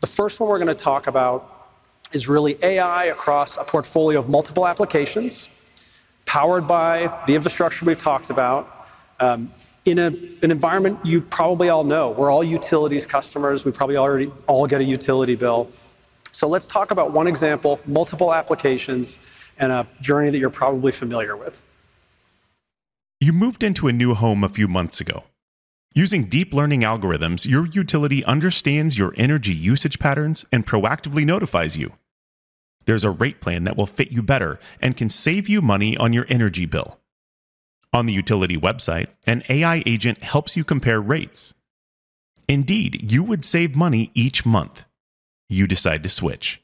The first one we're going to talk about is really AI across a portfolio of multiple applications powered by the infrastructure we've talked about in an environment you probably all know. We're all utilities customers. We probably already all get a utility bill. Let's talk about one example, multiple applications, and a journey that you're probably familiar with. You moved into a new home a few months ago. Using deep learning algorithms, your utility understands your energy usage patterns and proactively notifies you. There's a rate plan that will fit you better and can save you money on your energy bill. On the utility website, an AI agent helps you compare rates. Indeed, you would save money each month. You decide to switch.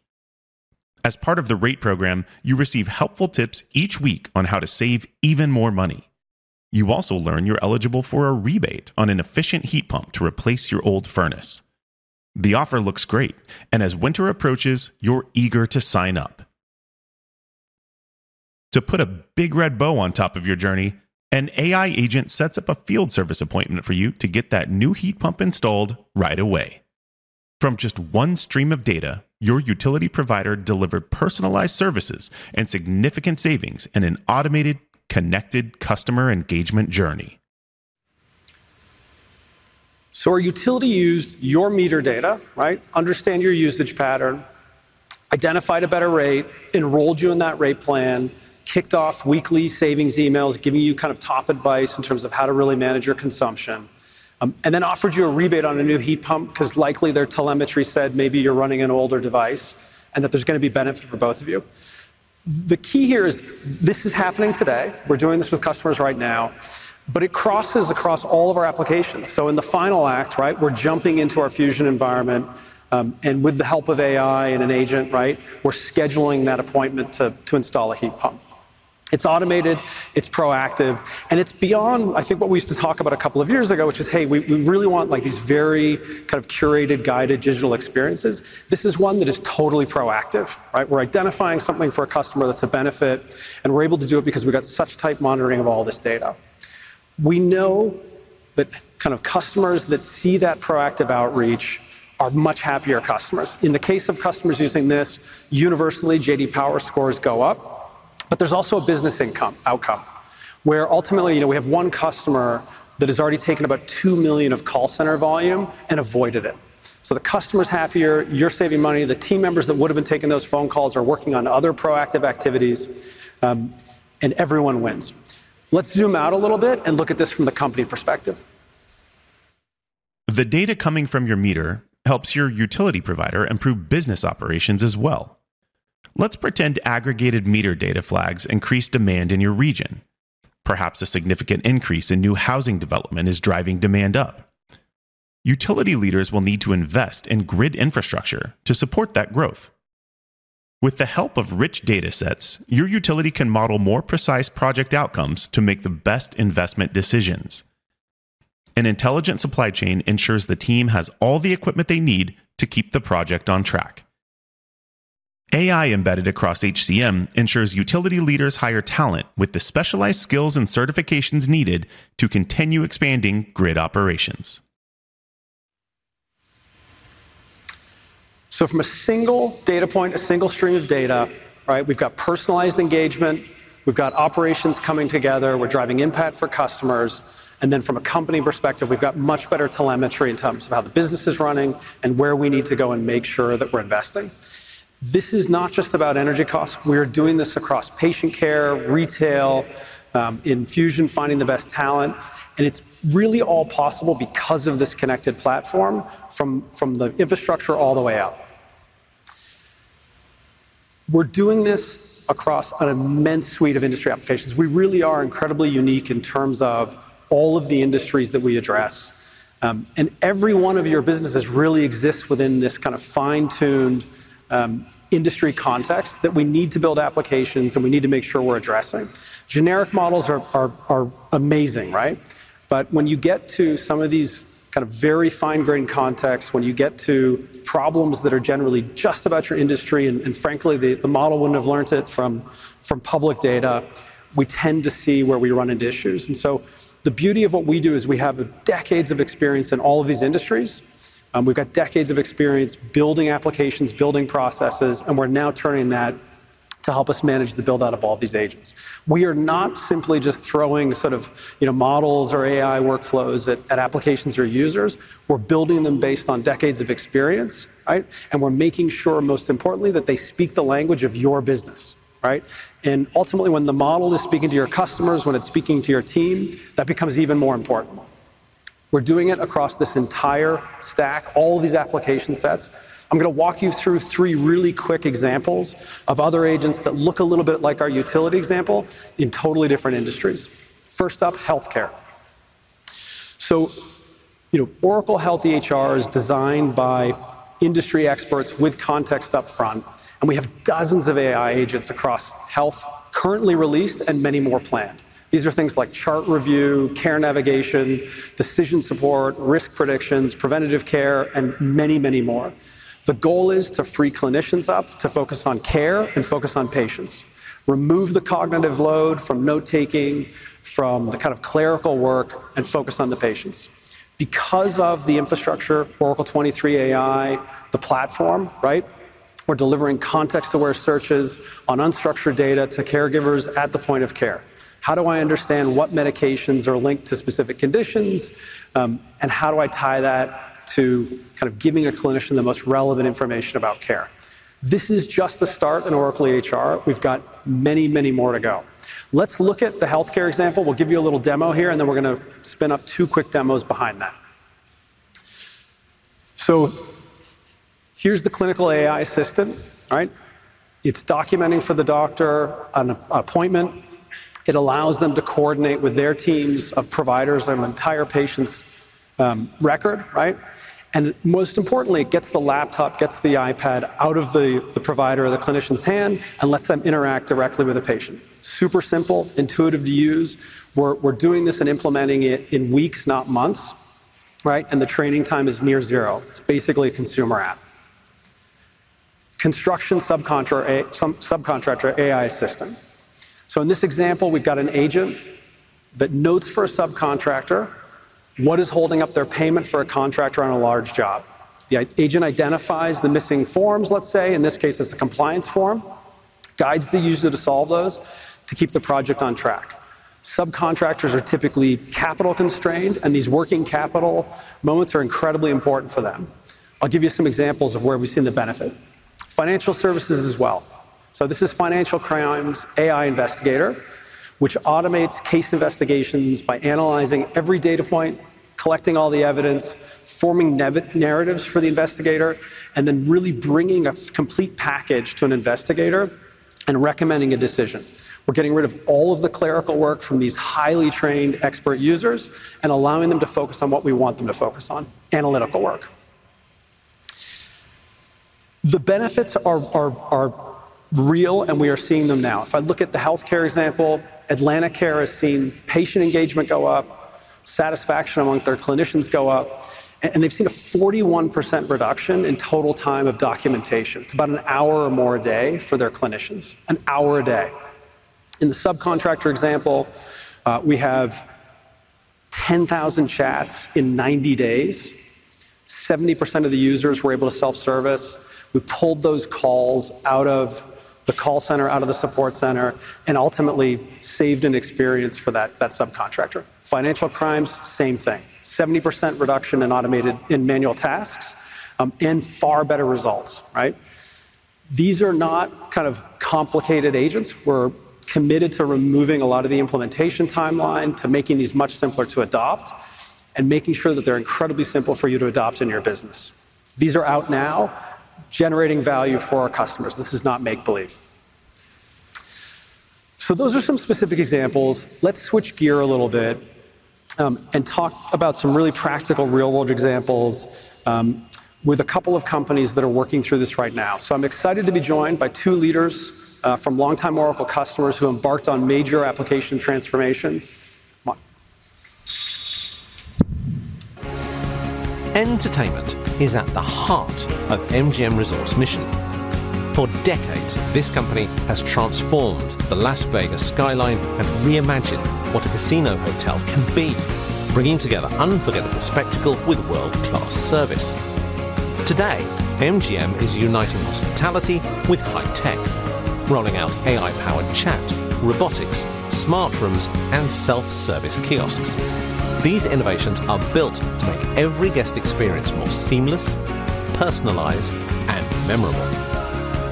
As part of the rate program, you receive helpful tips each week on how to save even more money. You also learn you're eligible for a rebate on an efficient heat pump to replace your old furnace. The offer looks great. As winter approaches, you're eager to sign up. To put a big red bow on top of your journey, an AI agent sets up a field service appointment for you to get that new heat pump installed right away. From just one stream of data, your utility provider delivered personalized services and significant savings in an automated, connected customer engagement journey. Our utility used your meter data, understand your usage pattern, identified a better rate, enrolled you in that rate plan, kicked off weekly savings emails, giving you kind of top advice in terms of how to really manage your consumption, and then offered you a rebate on a new heat pump because likely their telemetry said maybe you're running an older device and that there's going to be benefit for both of you. The key here is this is happening today. We're doing this with customers right now. It crosses across all of our applications. In the final act, we're jumping into our Fusion environment. With the help of AI and an agent, we're scheduling that appointment to install a heat pump. It's automated. It's proactive. It's beyond, I think, what we used to talk about a couple of years ago, which is, hey, we really want these very kind of curated, guided digital experiences. This is one that is totally proactive. We're identifying something for a customer that's a benefit. We're able to do it because we've got such tight monitoring of all this data. We know that kind of customers that see that proactive outreach are much happier customers. In the case of customers using this, universally, JD Power scores go up. There's also a business outcome where ultimately we have one customer that has already taken about $2 million of call center volume and avoided it. The customer's happier. You're saving money. The team members that would have been taking those phone calls are working on other proactive activities. Everyone wins. Let's zoom out a little bit and look at this from the company perspective. The data coming from your meter helps your utility provider improve business operations as well. Let's pretend aggregated meter data flags increase demand in your region. Perhaps a significant increase in new housing development is driving demand up. Utility leaders will need to invest in grid infrastructure to support that growth. With the help of rich data sets, your utility can model more precise project outcomes to make the best investment decisions. An intelligent supply chain ensures the team has all the equipment they need to keep the project on track. AI embedded across HCM ensures utility leaders hire talent with the specialized skills and certifications needed to continue expanding grid operations. From a single data point, a single stream of data, we've got personalized engagement. We've got operations coming together. We're driving impact for customers. From a company perspective, we've got much better telemetry in terms of how the business is running and where we need to go and make sure that we're investing. This is not just about energy costs. We are doing this across patient care, retail, infusion, finding the best talent. It's really all possible because of this connected platform from the infrastructure all the way up. We're doing this across an immense suite of industry applications. We really are incredibly unique in terms of all of the industries that we address. Every one of your businesses really exists within this kind of fine-tuned industry context that we need to build applications, and we need to make sure we're addressing. Generic models are amazing. When you get to some of these kind of very fine-grained contexts, when you get to problems that are generally just about your industry, and frankly, the model wouldn't have learned it from public data, we tend to see where we run into issues. The beauty of what we do is we have decades of experience in all of these industries. We've got decades of experience building applications, building processes. We're now turning that to help us manage the build-out of all these agents. We are not simply just throwing sort of models or AI workflows at applications or users. We're building them based on decades of experience. We're making sure, most importantly, that they speak the language of your business. Ultimately, when the model is speaking to your customers, when it's speaking to your team, that becomes even more important. We're doing it across this entire stack, all of these application sets. I'm going to walk you through three really quick examples of other agents that look a little bit like our utility example in totally different industries. First up, health care. Oracle HealthyHR is designed by industry experts with context up front. We have dozens of AI agents across health currently released and many more planned. These are things like chart review, care navigation, decision support, risk predictions, preventative care, and many, many more. The goal is to free clinicians up to focus on care and focus on patients, remove the cognitive load from note-taking, from the kind of clerical work, and focus on the patients. Because of the infrastructure, Oracle 23AI, the platform, we're delivering context-aware searches on unstructured data to caregivers at the point of care. How do I understand what medications are linked to specific conditions? How do I tie that to kind of giving a clinician the most relevant information about care? This is just the start in Oracle EHR. We've got many, many more to go. Let's look at the health care example. We'll give you a little demo here. We're going to spin up two quick demos behind that. Here's the clinical AI assistant. It's documenting for the doctor an appointment. It allows them to coordinate with their teams of providers on an entire patient's record. Most importantly, it gets the laptop, gets the iPad out of the provider or the clinician's hand and lets them interact directly with a patient. Super simple, intuitive to use. We're doing this and implementing it in weeks, not months. The training time is near zero. It's basically a consumer app. Construction subcontractor AI assistant. In this example, we've got an agent that notes for a subcontractor what is holding up their payment for a contractor on a large job. The agent identifies the missing forms, let's say, in this case, it's a compliance form, guides the user to solve those to keep the project on track. Subcontractors are typically capital constrained. These working capital moments are incredibly important for them. I'll give you some examples of where we've seen the benefit. Financial services as well. This is Financial Crimes AI Investigator, which automates case investigations by analyzing every data point, collecting all the evidence, forming narratives for the investigator, and then really bringing a complete package to an investigator and recommending a decision. We're getting rid of all of the clerical work from these highly trained expert users and allowing them to focus on what we want them to focus on, analytical work. The benefits are real, and we are seeing them now. If I look at the health care example, Atlantic Care has seen patient engagement go up, satisfaction among their clinicians go up. They've seen a 41% reduction in total time of documentation. It's about an hour or more a day for their clinicians, an hour a day. In the subcontractor example, we have 10,000 chats in 90 days. 70% of the users were able to self-service. We pulled those calls out of the call center, out of the support center, and ultimately saved an experience for that subcontractor. Financial Crimes, same thing, 70% reduction in manual tasks and far better results. These are not kind of complicated agents. We're committed to removing a lot of the implementation timeline, to making these much simpler to adopt, and making sure that they're incredibly simple for you to adopt in your business. These are out now, generating value for our customers. This is not make-believe. Those are some specific examples. Let's switch gear a little bit and talk about some really practical real-world examples with a couple of companies that are working through this right now. I'm excited to be joined by two leaders from longtime Oracle customers who embarked on major application transformations. Entertainment is at the heart of MGM Resorts International's mission. For decades, this company has transformed the Las Vegas skyline and reimagined what a casino hotel can be, bringing together unforgettable spectacle with world-class service. Today, MGM is uniting hospitality with high tech, rolling out AI-powered chat, robotics, smart rooms, and self-service kiosks. These innovations are built to make every guest experience more seamless, personalized, and memorable.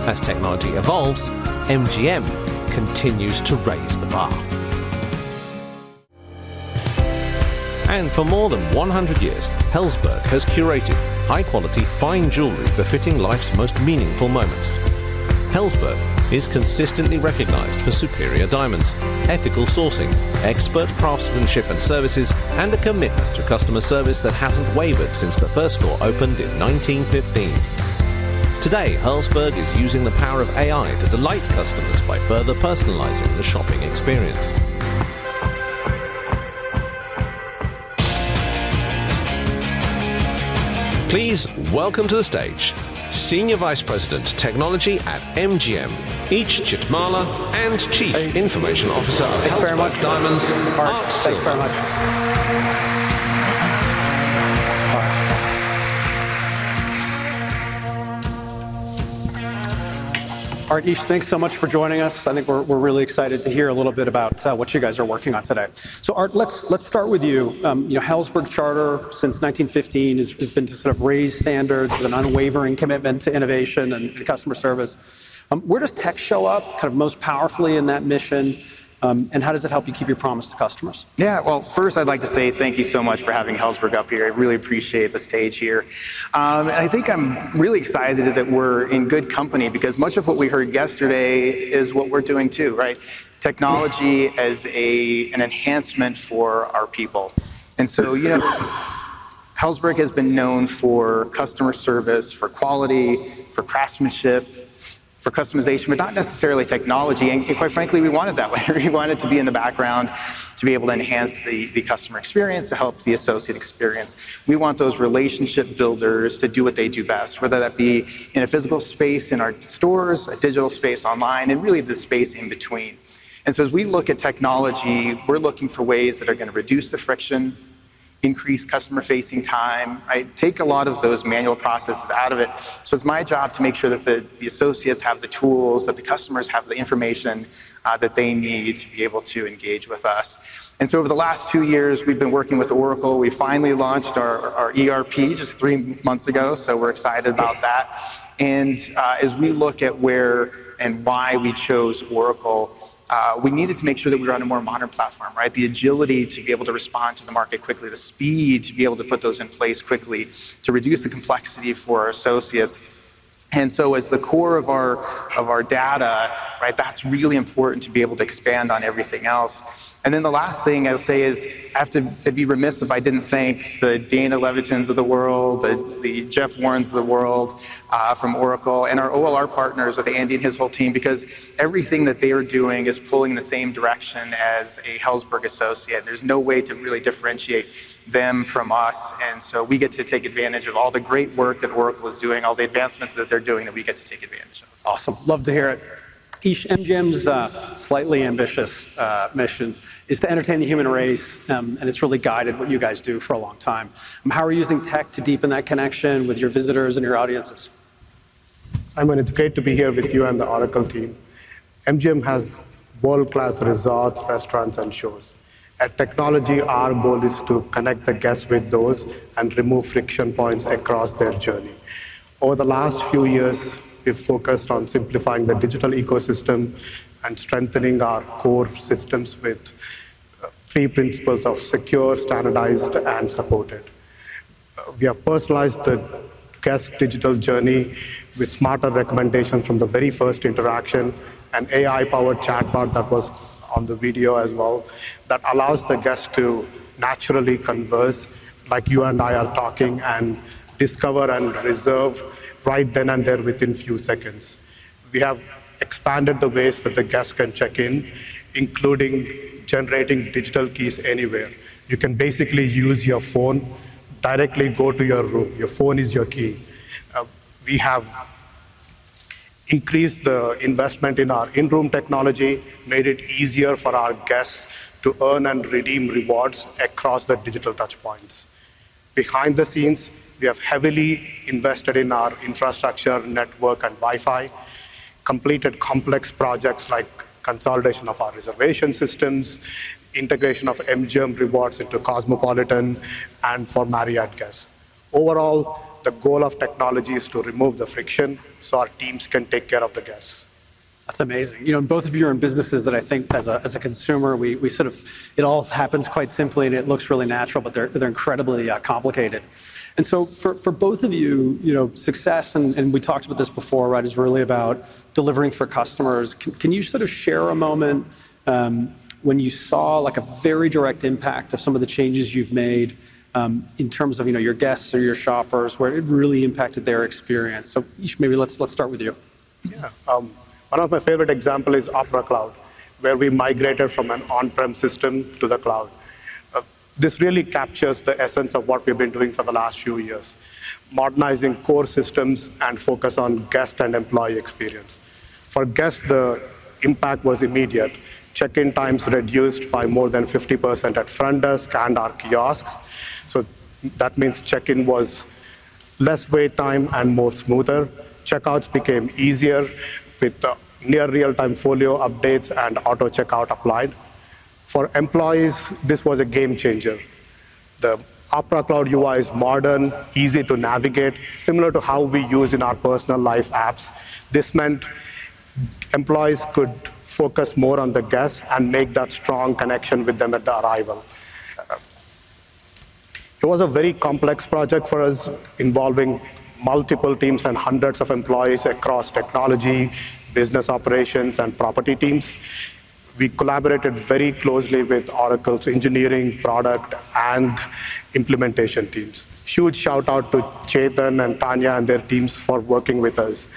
As technology evolves, MGM continues to raise the bar. For more than 100 years, Helzberg Diamonds has curated high-quality fine jewelry befitting life's most meaningful moments. Helzberg is consistently recognized for superior diamonds, ethical sourcing, expert craftsmanship and services, and a commitment to customer service that hasn't wavered since the first store opened in 1915. Today, Helzberg is using the power of AI to delight customers by further personalizing the shopping experience. Please welcome to the stage Senior Vice President, Technology at MGM Eashwar Chittimalla, Chief Information Officer. Thanks very much. Thanks very much. Eashwar, thanks so much for joining us. I think we're really excited to hear a little bit about what you guys are working on today. Art, let's start with you. Helzberg Diamonds, since 1915, has been to sort of raise standards with an unwavering commitment to innovation and customer service. Where does tech show up kind of most powerfully in that mission? How does it help you keep your promise to customers? Yeah, first, I'd like to say thank you so much for having Helzberg up here. I really appreciate the stage here. I think I'm really excited that we're in good company because much of what we heard yesterday is what we're doing too, technology as an enhancement for our people. Helzberg has been known for customer service, for quality, for craftsmanship, for customization, but not necessarily technology. Quite frankly, we want it that way. We want it to be in the background to be able to enhance the customer experience, to help the associate experience. We want those relationship builders to do what they do best, whether that be in a physical space in our stores, a digital space online, and really the space in between. As we look at technology, we're looking for ways that are going to reduce the friction, increase customer-facing time, take a lot of those manual processes out of it. It's my job to make sure that the associates have the tools, that the customers have the information that they need to be able to engage with us. Over the last two years, we've been working with Oracle. We finally launched our ERP just three months ago. We're excited about that. As we look at where and why we chose Oracle, we needed to make sure that we were on a more modern platform, the agility to be able to respond to the market quickly, the speed to be able to put those in place quickly, to reduce the complexity for associates. As the core of our data, that's really important to be able to expand on everything else. The last thing I'll say is I have to be remiss if I didn't thank the Dana Levitins of the world, the Jeff Warrens of the world from Oracle, and our OLR partners with Andy and his whole team, because everything that they are doing is pulling in the same direction as a Helzberg associate. There's no way to really differentiate them from us. We get to take advantage of all the great work that Oracle is doing, all the advancements that they're doing that we get to take advantage of. Awesome. Love to hear it. MGM's slightly ambitious mission is to entertain the human race, and it's really guided what you guys do for a long time. How are you using tech to deepen that connection with your visitors and your audiences? Simon, it's great to be here with you and the Oracle team. MGM has world-class resorts, restaurants, and shows. At Technology, our goal is to connect the guests with those and remove friction points across their journey. Over the last few years, we've focused on simplifying the digital ecosystem and strengthening our core systems with three principles of secure, standardized, and supported. We have personalized the guest's digital journey with smarter recommendations from the very first interaction, an AI-powered chatbot that was on the video as well, that allows the guest to naturally converse like you and I are talking and discover and reserve right then and there within a few seconds. We have expanded the ways that the guests can check in, including generating digital keys anywhere. You can basically use your phone, directly go to your room. Your phone is your key. We have increased the investment in our in-room technology, made it easier for our guests to earn and redeem rewards across the digital touchpoints. Behind the scenes, we have heavily invested in our infrastructure, network, and Wi-Fi, completed complex projects like consolidation of our reservation systems, integration of MGM Rewards into Cosmopolitan, and for Marriott guests. Overall, the goal of technology is to remove the friction so our teams can take care of the guests. That's amazing. Both of you are in businesses that I think as a consumer, we sort of, it all happens quite simply and it looks really natural. They're incredibly complicated. For both of you, success, and we talked about this before, is really about delivering for customers. Can you sort of share a moment when you saw a very direct impact of some of the changes you've made in terms of your guests or your shoppers, where it really impacted their experience? Each, maybe let's start with you. Yeah. One of my favorite examples is Opera Cloud, where we migrated from an on-prem system to the cloud. This really captures the essence of what we've been doing for the last few years, modernizing core systems and focus on guest and employee experience. For guests, the impact was immediate. Check-in times reduced by more than 50% at front desk and our kiosks. That means check-in was less wait time and more smoother. Checkouts became easier with near real-time folio updates and auto-checkout applied. For employees, this was a game changer. The Opera Cloud UI is modern, easy to navigate, similar to how we use in our personal life apps. This meant employees could focus more on the guests and make that strong connection with them at the arrival. It was a very complex project for us, involving multiple teams and hundreds of employees across technology, business operations, and property teams. We collaborated very closely with Oracle's engineering, product, and implementation teams. Huge shout out to Chetan and Tanya and their teams for working with us.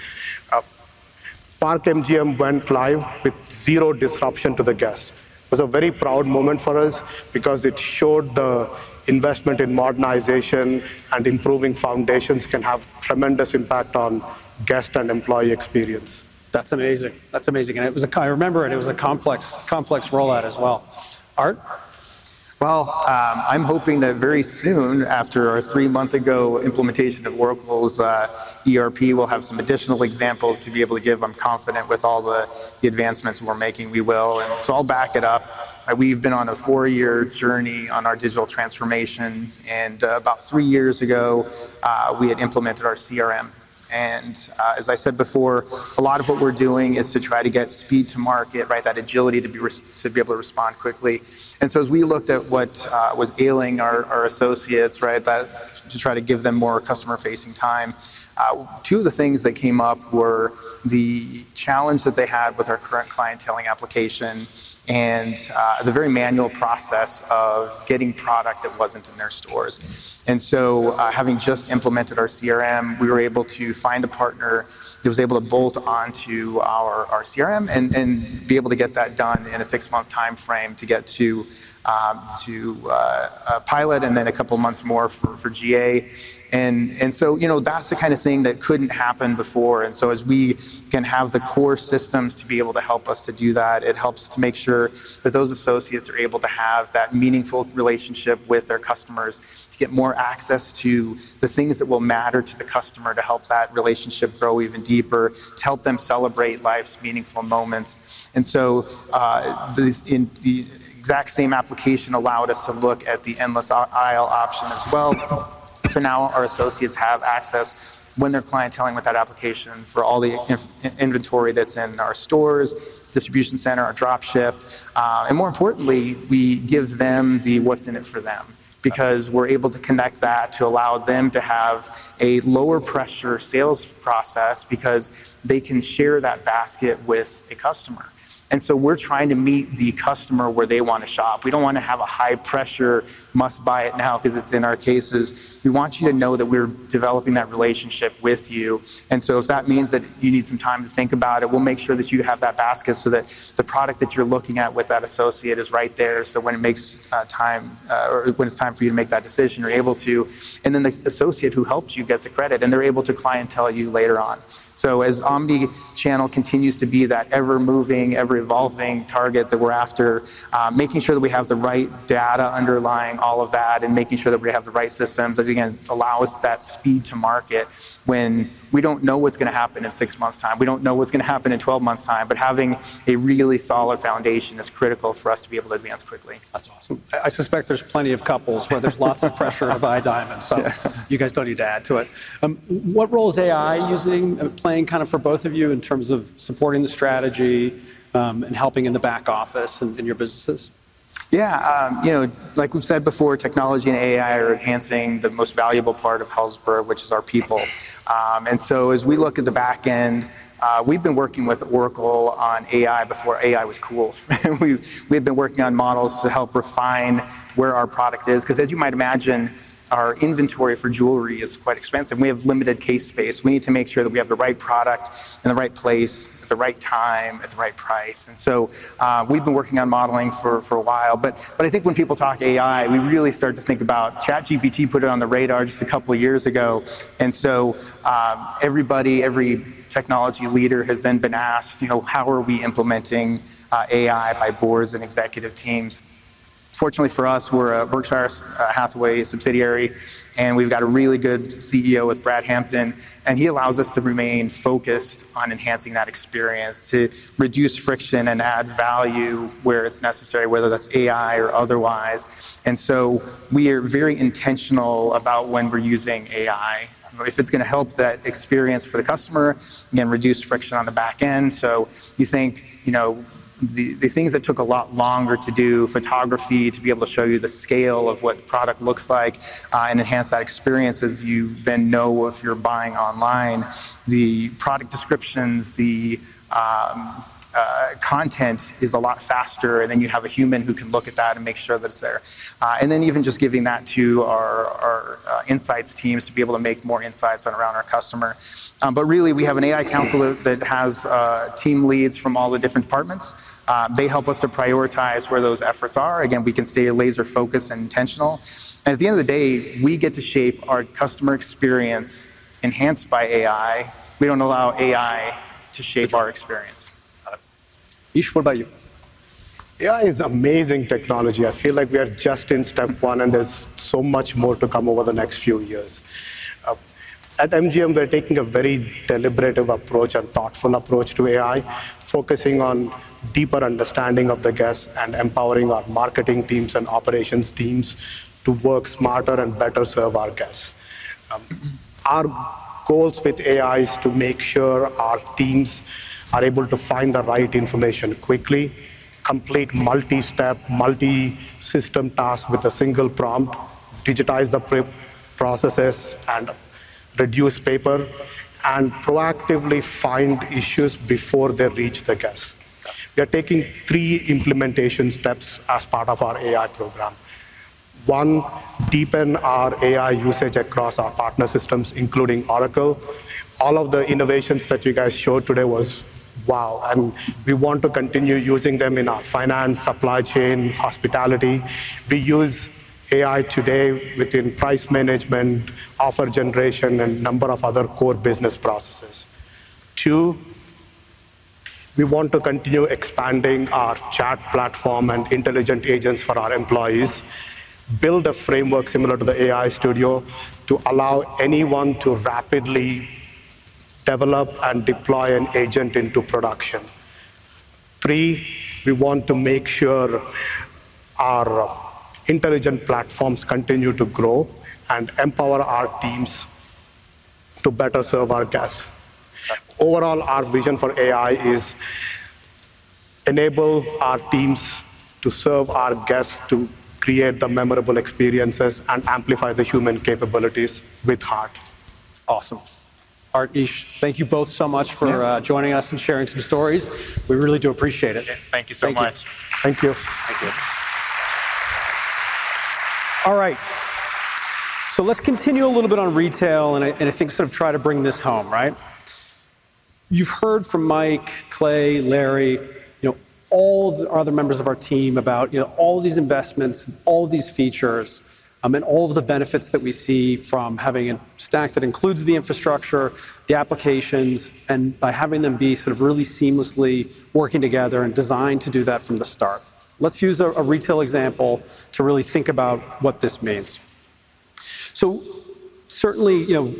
Park MGM went live with zero disruption to the guests. It was a very proud moment for us because it showed the investment in modernization and improving foundations can have tremendous impact on guest and employee experience. That's amazing. I remember it. It was a complex rollout as well, Art. I'm hoping that very soon, after our three-month ago implementation of Oracle's ERP, we'll have some additional examples to be able to give. I'm confident with all the advancements we're making, we will. I'll back it up. We've been on a four-year journey on our digital transformation. About three years ago, we had implemented our CRM. As I said before, a lot of what we're doing is to try to get speed to market, that agility to be able to respond quickly. As we looked at what was ailing our associates to try to give them more customer-facing time, two of the things that came up were the challenge that they had with our current clientele and application and the very manual process of getting product that wasn't in their stores. Having just implemented our CRM, we were able to find a partner that was able to bolt onto our CRM and be able to get that done in a six-month time frame. A pilot and then a couple of months more for GA. That's the kind of thing that couldn't happen before. As we can have the core systems to be able to help us to do that, it helps to make sure that those associates are able to have that meaningful relationship with their customers to get more access to the things that will matter to the customer to help that relationship grow even deeper, to help them celebrate life's meaningful moments. The exact same application allowed us to look at the endless aisle option as well. For now, our associates have access when they're clienteling with that application for all the inventory that's in our stores, distribution center, or drop ship. More importantly, we give them the what's in it for them because we're able to connect that to allow them to have a lower pressure sales process because they can share that basket with a customer. We're trying to meet the customer where they want to shop. We don't want to have a high pressure must buy it now because it's in our cases. We want you to know that we're developing that relationship with you. If that means that you need some time to think about it, we'll make sure that you have that basket so that the product that you're looking at with that associate is right there. When it's time for you to make that decision, you're able to. The associate who helps you gets a credit, and they're able to clientele you later on. As omni channel continues to be that ever moving, ever evolving target that we're after, making sure that we have the right data underlying all of that and making sure that we have the right systems that, again, allow us that speed to market when we don't know what's going to happen in six months' time. We don't know what's going to happen in 12 months' time. Having a really solid foundation is critical for us to be able to advance quickly. That's awesome. I suspect there's plenty of couples where there's lots of pressure to buy diamonds. You guys don't need to add to it. What role is AI playing for both of you in terms of supporting the strategy and helping in the back office and in your businesses? Yeah, you know, like we've said before, technology and AI are enhancing the most valuable part of Helzberg Diamonds, which is our people. As we look at the back end, we've been working with Oracle on AI before AI was cool. We've been working on models to help refine where our product is because, as you might imagine, our inventory for jewelry is quite expensive. We have limited case space. We need to make sure that we have the right product in the right place at the right time at the right price. We've been working on modeling for a while. I think when people talk AI, we really start to think about ChatGPT put it on the radar just a couple of years ago. Everybody, every technology leader has then been asked, you know, how are we implementing AI by boards and executive teams? Fortunately for us, we're a Berkshire Hathaway subsidiary, and we've got a really good CEO with Brad Hampton. He allows us to remain focused on enhancing that experience to reduce friction and add value where it's necessary, whether that's AI or otherwise. We are very intentional about when we're using AI, if it's going to help that experience for the customer and reduce friction on the back end. You think, you know, the things that took a lot longer to do, photography to be able to show you the scale of what the product looks like and enhance that experience as you then know if you're buying online, the product descriptions, the content is a lot faster. Then you have a human who can look at that and make sure that it's there. Even just giving that to our insights teams to be able to make more insights around our customer. Really, we have an AI council that has team leads from all the different departments. They help us to prioritize where those efforts are. Again, we can stay laser focused and intentional. At the end of the day, we get to shape our customer experience enhanced by AI. We don't allow AI to shape our experience. Yish, what about you? AI is amazing technology. I feel like we are just in step one, and there's so much more to come over the next few years. At MGM, we're taking a very deliberative and thoughtful approach to AI, focusing on deeper understanding of the guests and empowering our marketing teams and operations teams to work smarter and better serve our guests. Our goals with AI are to make sure our teams are able to find the right information quickly, complete multi-step, multi-system tasks with a single prompt, digitize the processes, reduce paper, and proactively find issues before they reach the guests. We are taking three implementation steps as part of our AI program. One, deepen our AI usage across our partner systems, including Oracle. All of the innovations that you guys showed today were wow, and we want to continue using them in our finance, supply chain, hospitality. We use AI today within price management, offer generation, and a number of other core business processes. Two, we want to continue expanding our chat platform and intelligent agents for our employees. Build a framework similar to the Agent Studio to allow anyone to rapidly develop and deploy an agent into production. Three, we want to make sure our intelligent platforms continue to grow and empower our teams to better serve our guests. Overall, our vision for AI is to enable our teams to serve our guests, to create the memorable experiences, and amplify the human capabilities with heart. Awesome. All right, Yish, thank you both so much for joining us and sharing some stories. We really do appreciate it. Thank you so much. Thank you. Thank you. All right. Let's continue a little bit on retail and I think sort of try to bring this home, right? You've heard from Mike, Clay, Larry, you know, all the other members of our team about all these investments and all of these features and all of the benefits that we see from having a stack that includes the infrastructure, the applications, and by having them be sort of really seamlessly working together and designed to do that from the start. Let's use a retail example to really think about what this means. Certainly, you know,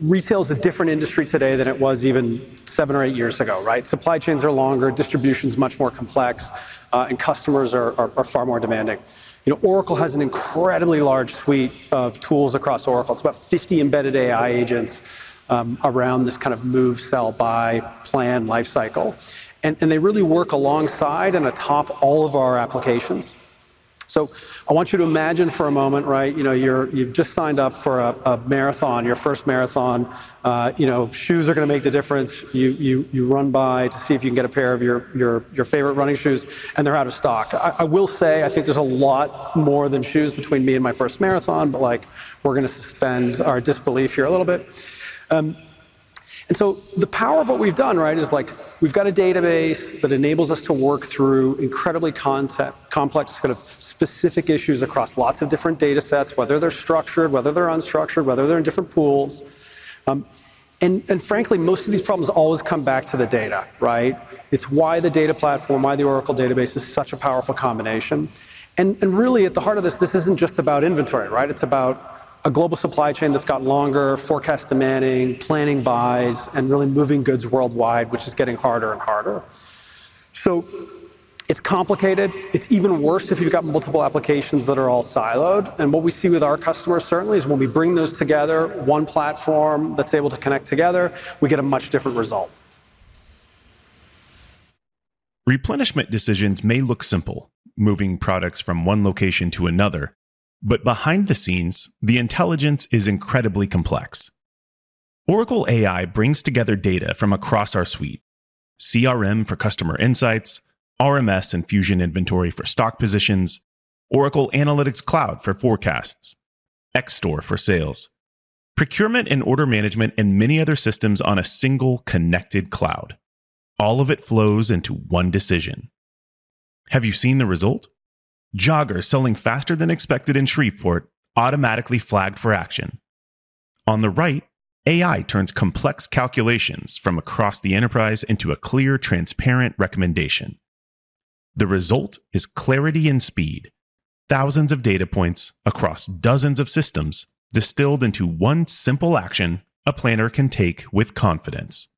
retail is a different industry today than it was even seven or eight years ago, right? Supply chains are longer, distribution is much more complex, and customers are far more demanding. You know, Oracle has an incredibly large suite of tools across Oracle. It's about 50 embedded AI agents around this kind of move, sell, buy, plan lifecycle. They really work alongside and atop all of our applications. I want you to imagine for a moment, right? You know, you've just signed up for a marathon, your first marathon. You know, shoes are going to make the difference. You run by to see if you can get a pair of your favorite running shoes, and they're out of stock. I will say, I think there's a lot more than shoes between me and my first marathon, but like we're going to suspend our disbelief here a little bit. The power of what we've done, right, is like we've got a database that enables us to work through incredibly complex kind of specific issues across lots of different data sets, whether they're structured, whether they're unstructured, whether they're in different pools. Frankly, most of these problems always come back to the data, right? It's why the data platform, why the Oracle database is such a powerful combination. Really, at the heart of this, this isn't just about inventory, right? It's about a global supply chain that's got longer forecast demanding, planning buys, and really moving goods worldwide, which is getting harder and harder. It's complicated. It's even worse if you've got multiple applications that are all siloed. What we see with our customers certainly is when we bring those together, one platform that's able to connect together, we get a much different result. Replenishment decisions may look simple, moving products from one location to another, but behind the scenes, the intelligence is incredibly complex. Oracle AI brings together data from across our suite: CRM for customer insights, RMS and Oracle Fusion Inventory for stock positions, Oracle Analytics Cloud for forecasts, X-Store for sales, procurement and order management, and many other systems on a single connected cloud. All of it flows into one decision. Have you seen the result? Jogger selling faster than expected in Shreveport, automatically flagged for action. On the right, AI turns complex calculations from across the enterprise into a clear, transparent recommendation. The result is clarity and speed. Thousands of data points across dozens of systems distilled into one simple action a planner can take with confidence.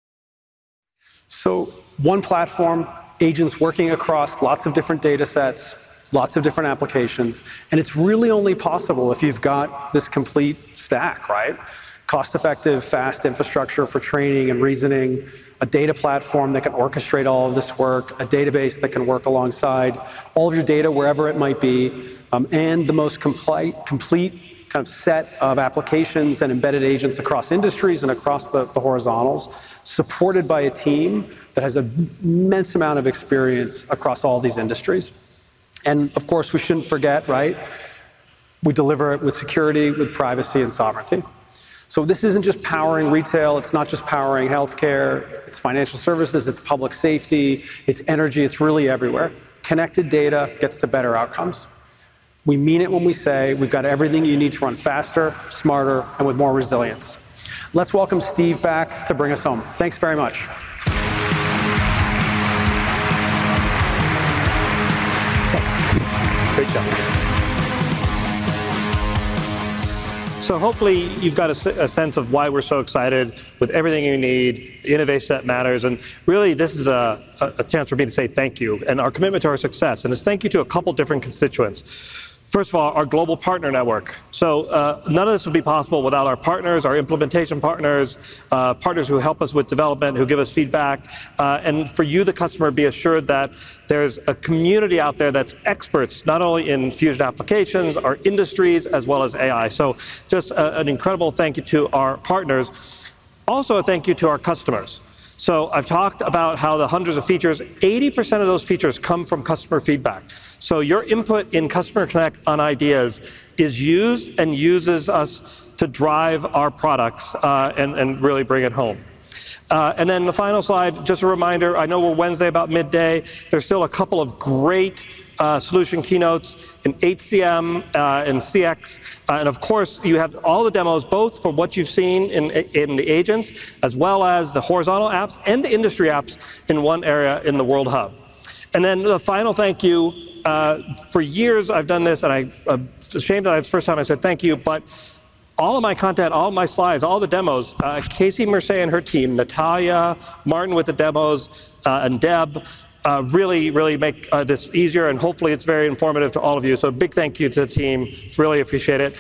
One platform, agents working across lots of different data sets, lots of different applications, and it's really only possible if you've got this complete stack, right? Cost-effective, fast infrastructure for training and reasoning, a data platform that can orchestrate all of this work, a database that can work alongside all of your data wherever it might be, and the most complete kind of set of applications and embedded agents across industries and across the horizontals, supported by a team that has an immense amount of experience across all these industries. Of course, we shouldn't forget, right? We deliver it with security, with privacy, and sovereignty. This isn't just powering retail. It's not just powering healthcare. It's financial services. It's public safety. It's energy. It's really everywhere. Connected data gets to better outcomes. We mean it when we say we've got everything you need to run faster, smarter, and with more resilience. Let's welcome Steve back to bring us home. Thanks very much. Great job. Hopefully, you've got a sense of why we're so excited with everything you need, innovation that matters. This is a chance for me to say thank you and our commitment to our success. Thank you to a couple of different constituents. First of all, our global partner network. None of this would be possible without our partners, our implementation partners, partners who help us with development, who give us feedback. For you, the customer, be assured that there's a community out there that's experts not only in Fusion Applications, our industries, as well as AI. Just an incredible thank you to our partners. Also, a thank you to our customers. I've talked about how the hundreds of features, 80% of those features come from customer feedback. Your input in Customer Connect on ideas is used and uses us to drive our products and really bring it home. The final slide, just a reminder, I know we're Wednesday about midday. There's still a couple of great solution keynotes in HCM and CX. Of course, you have all the demos, both for what you've seen in the agents, as well as the horizontal apps and the industry apps in one area in the World Hub. The final thank you. For years, I've done this, and I'm ashamed that it's the first time I said thank you, but all of my content, all of my slides, all the demos, Casey Mercé and her team, Natalia, Martin with the demos, and Deb really, really make this easier. Hopefully, it's very informative to all of you. A big thank you to the team. Really appreciate it.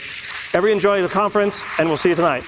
Everybody, enjoy the conference, and we'll see you tonight.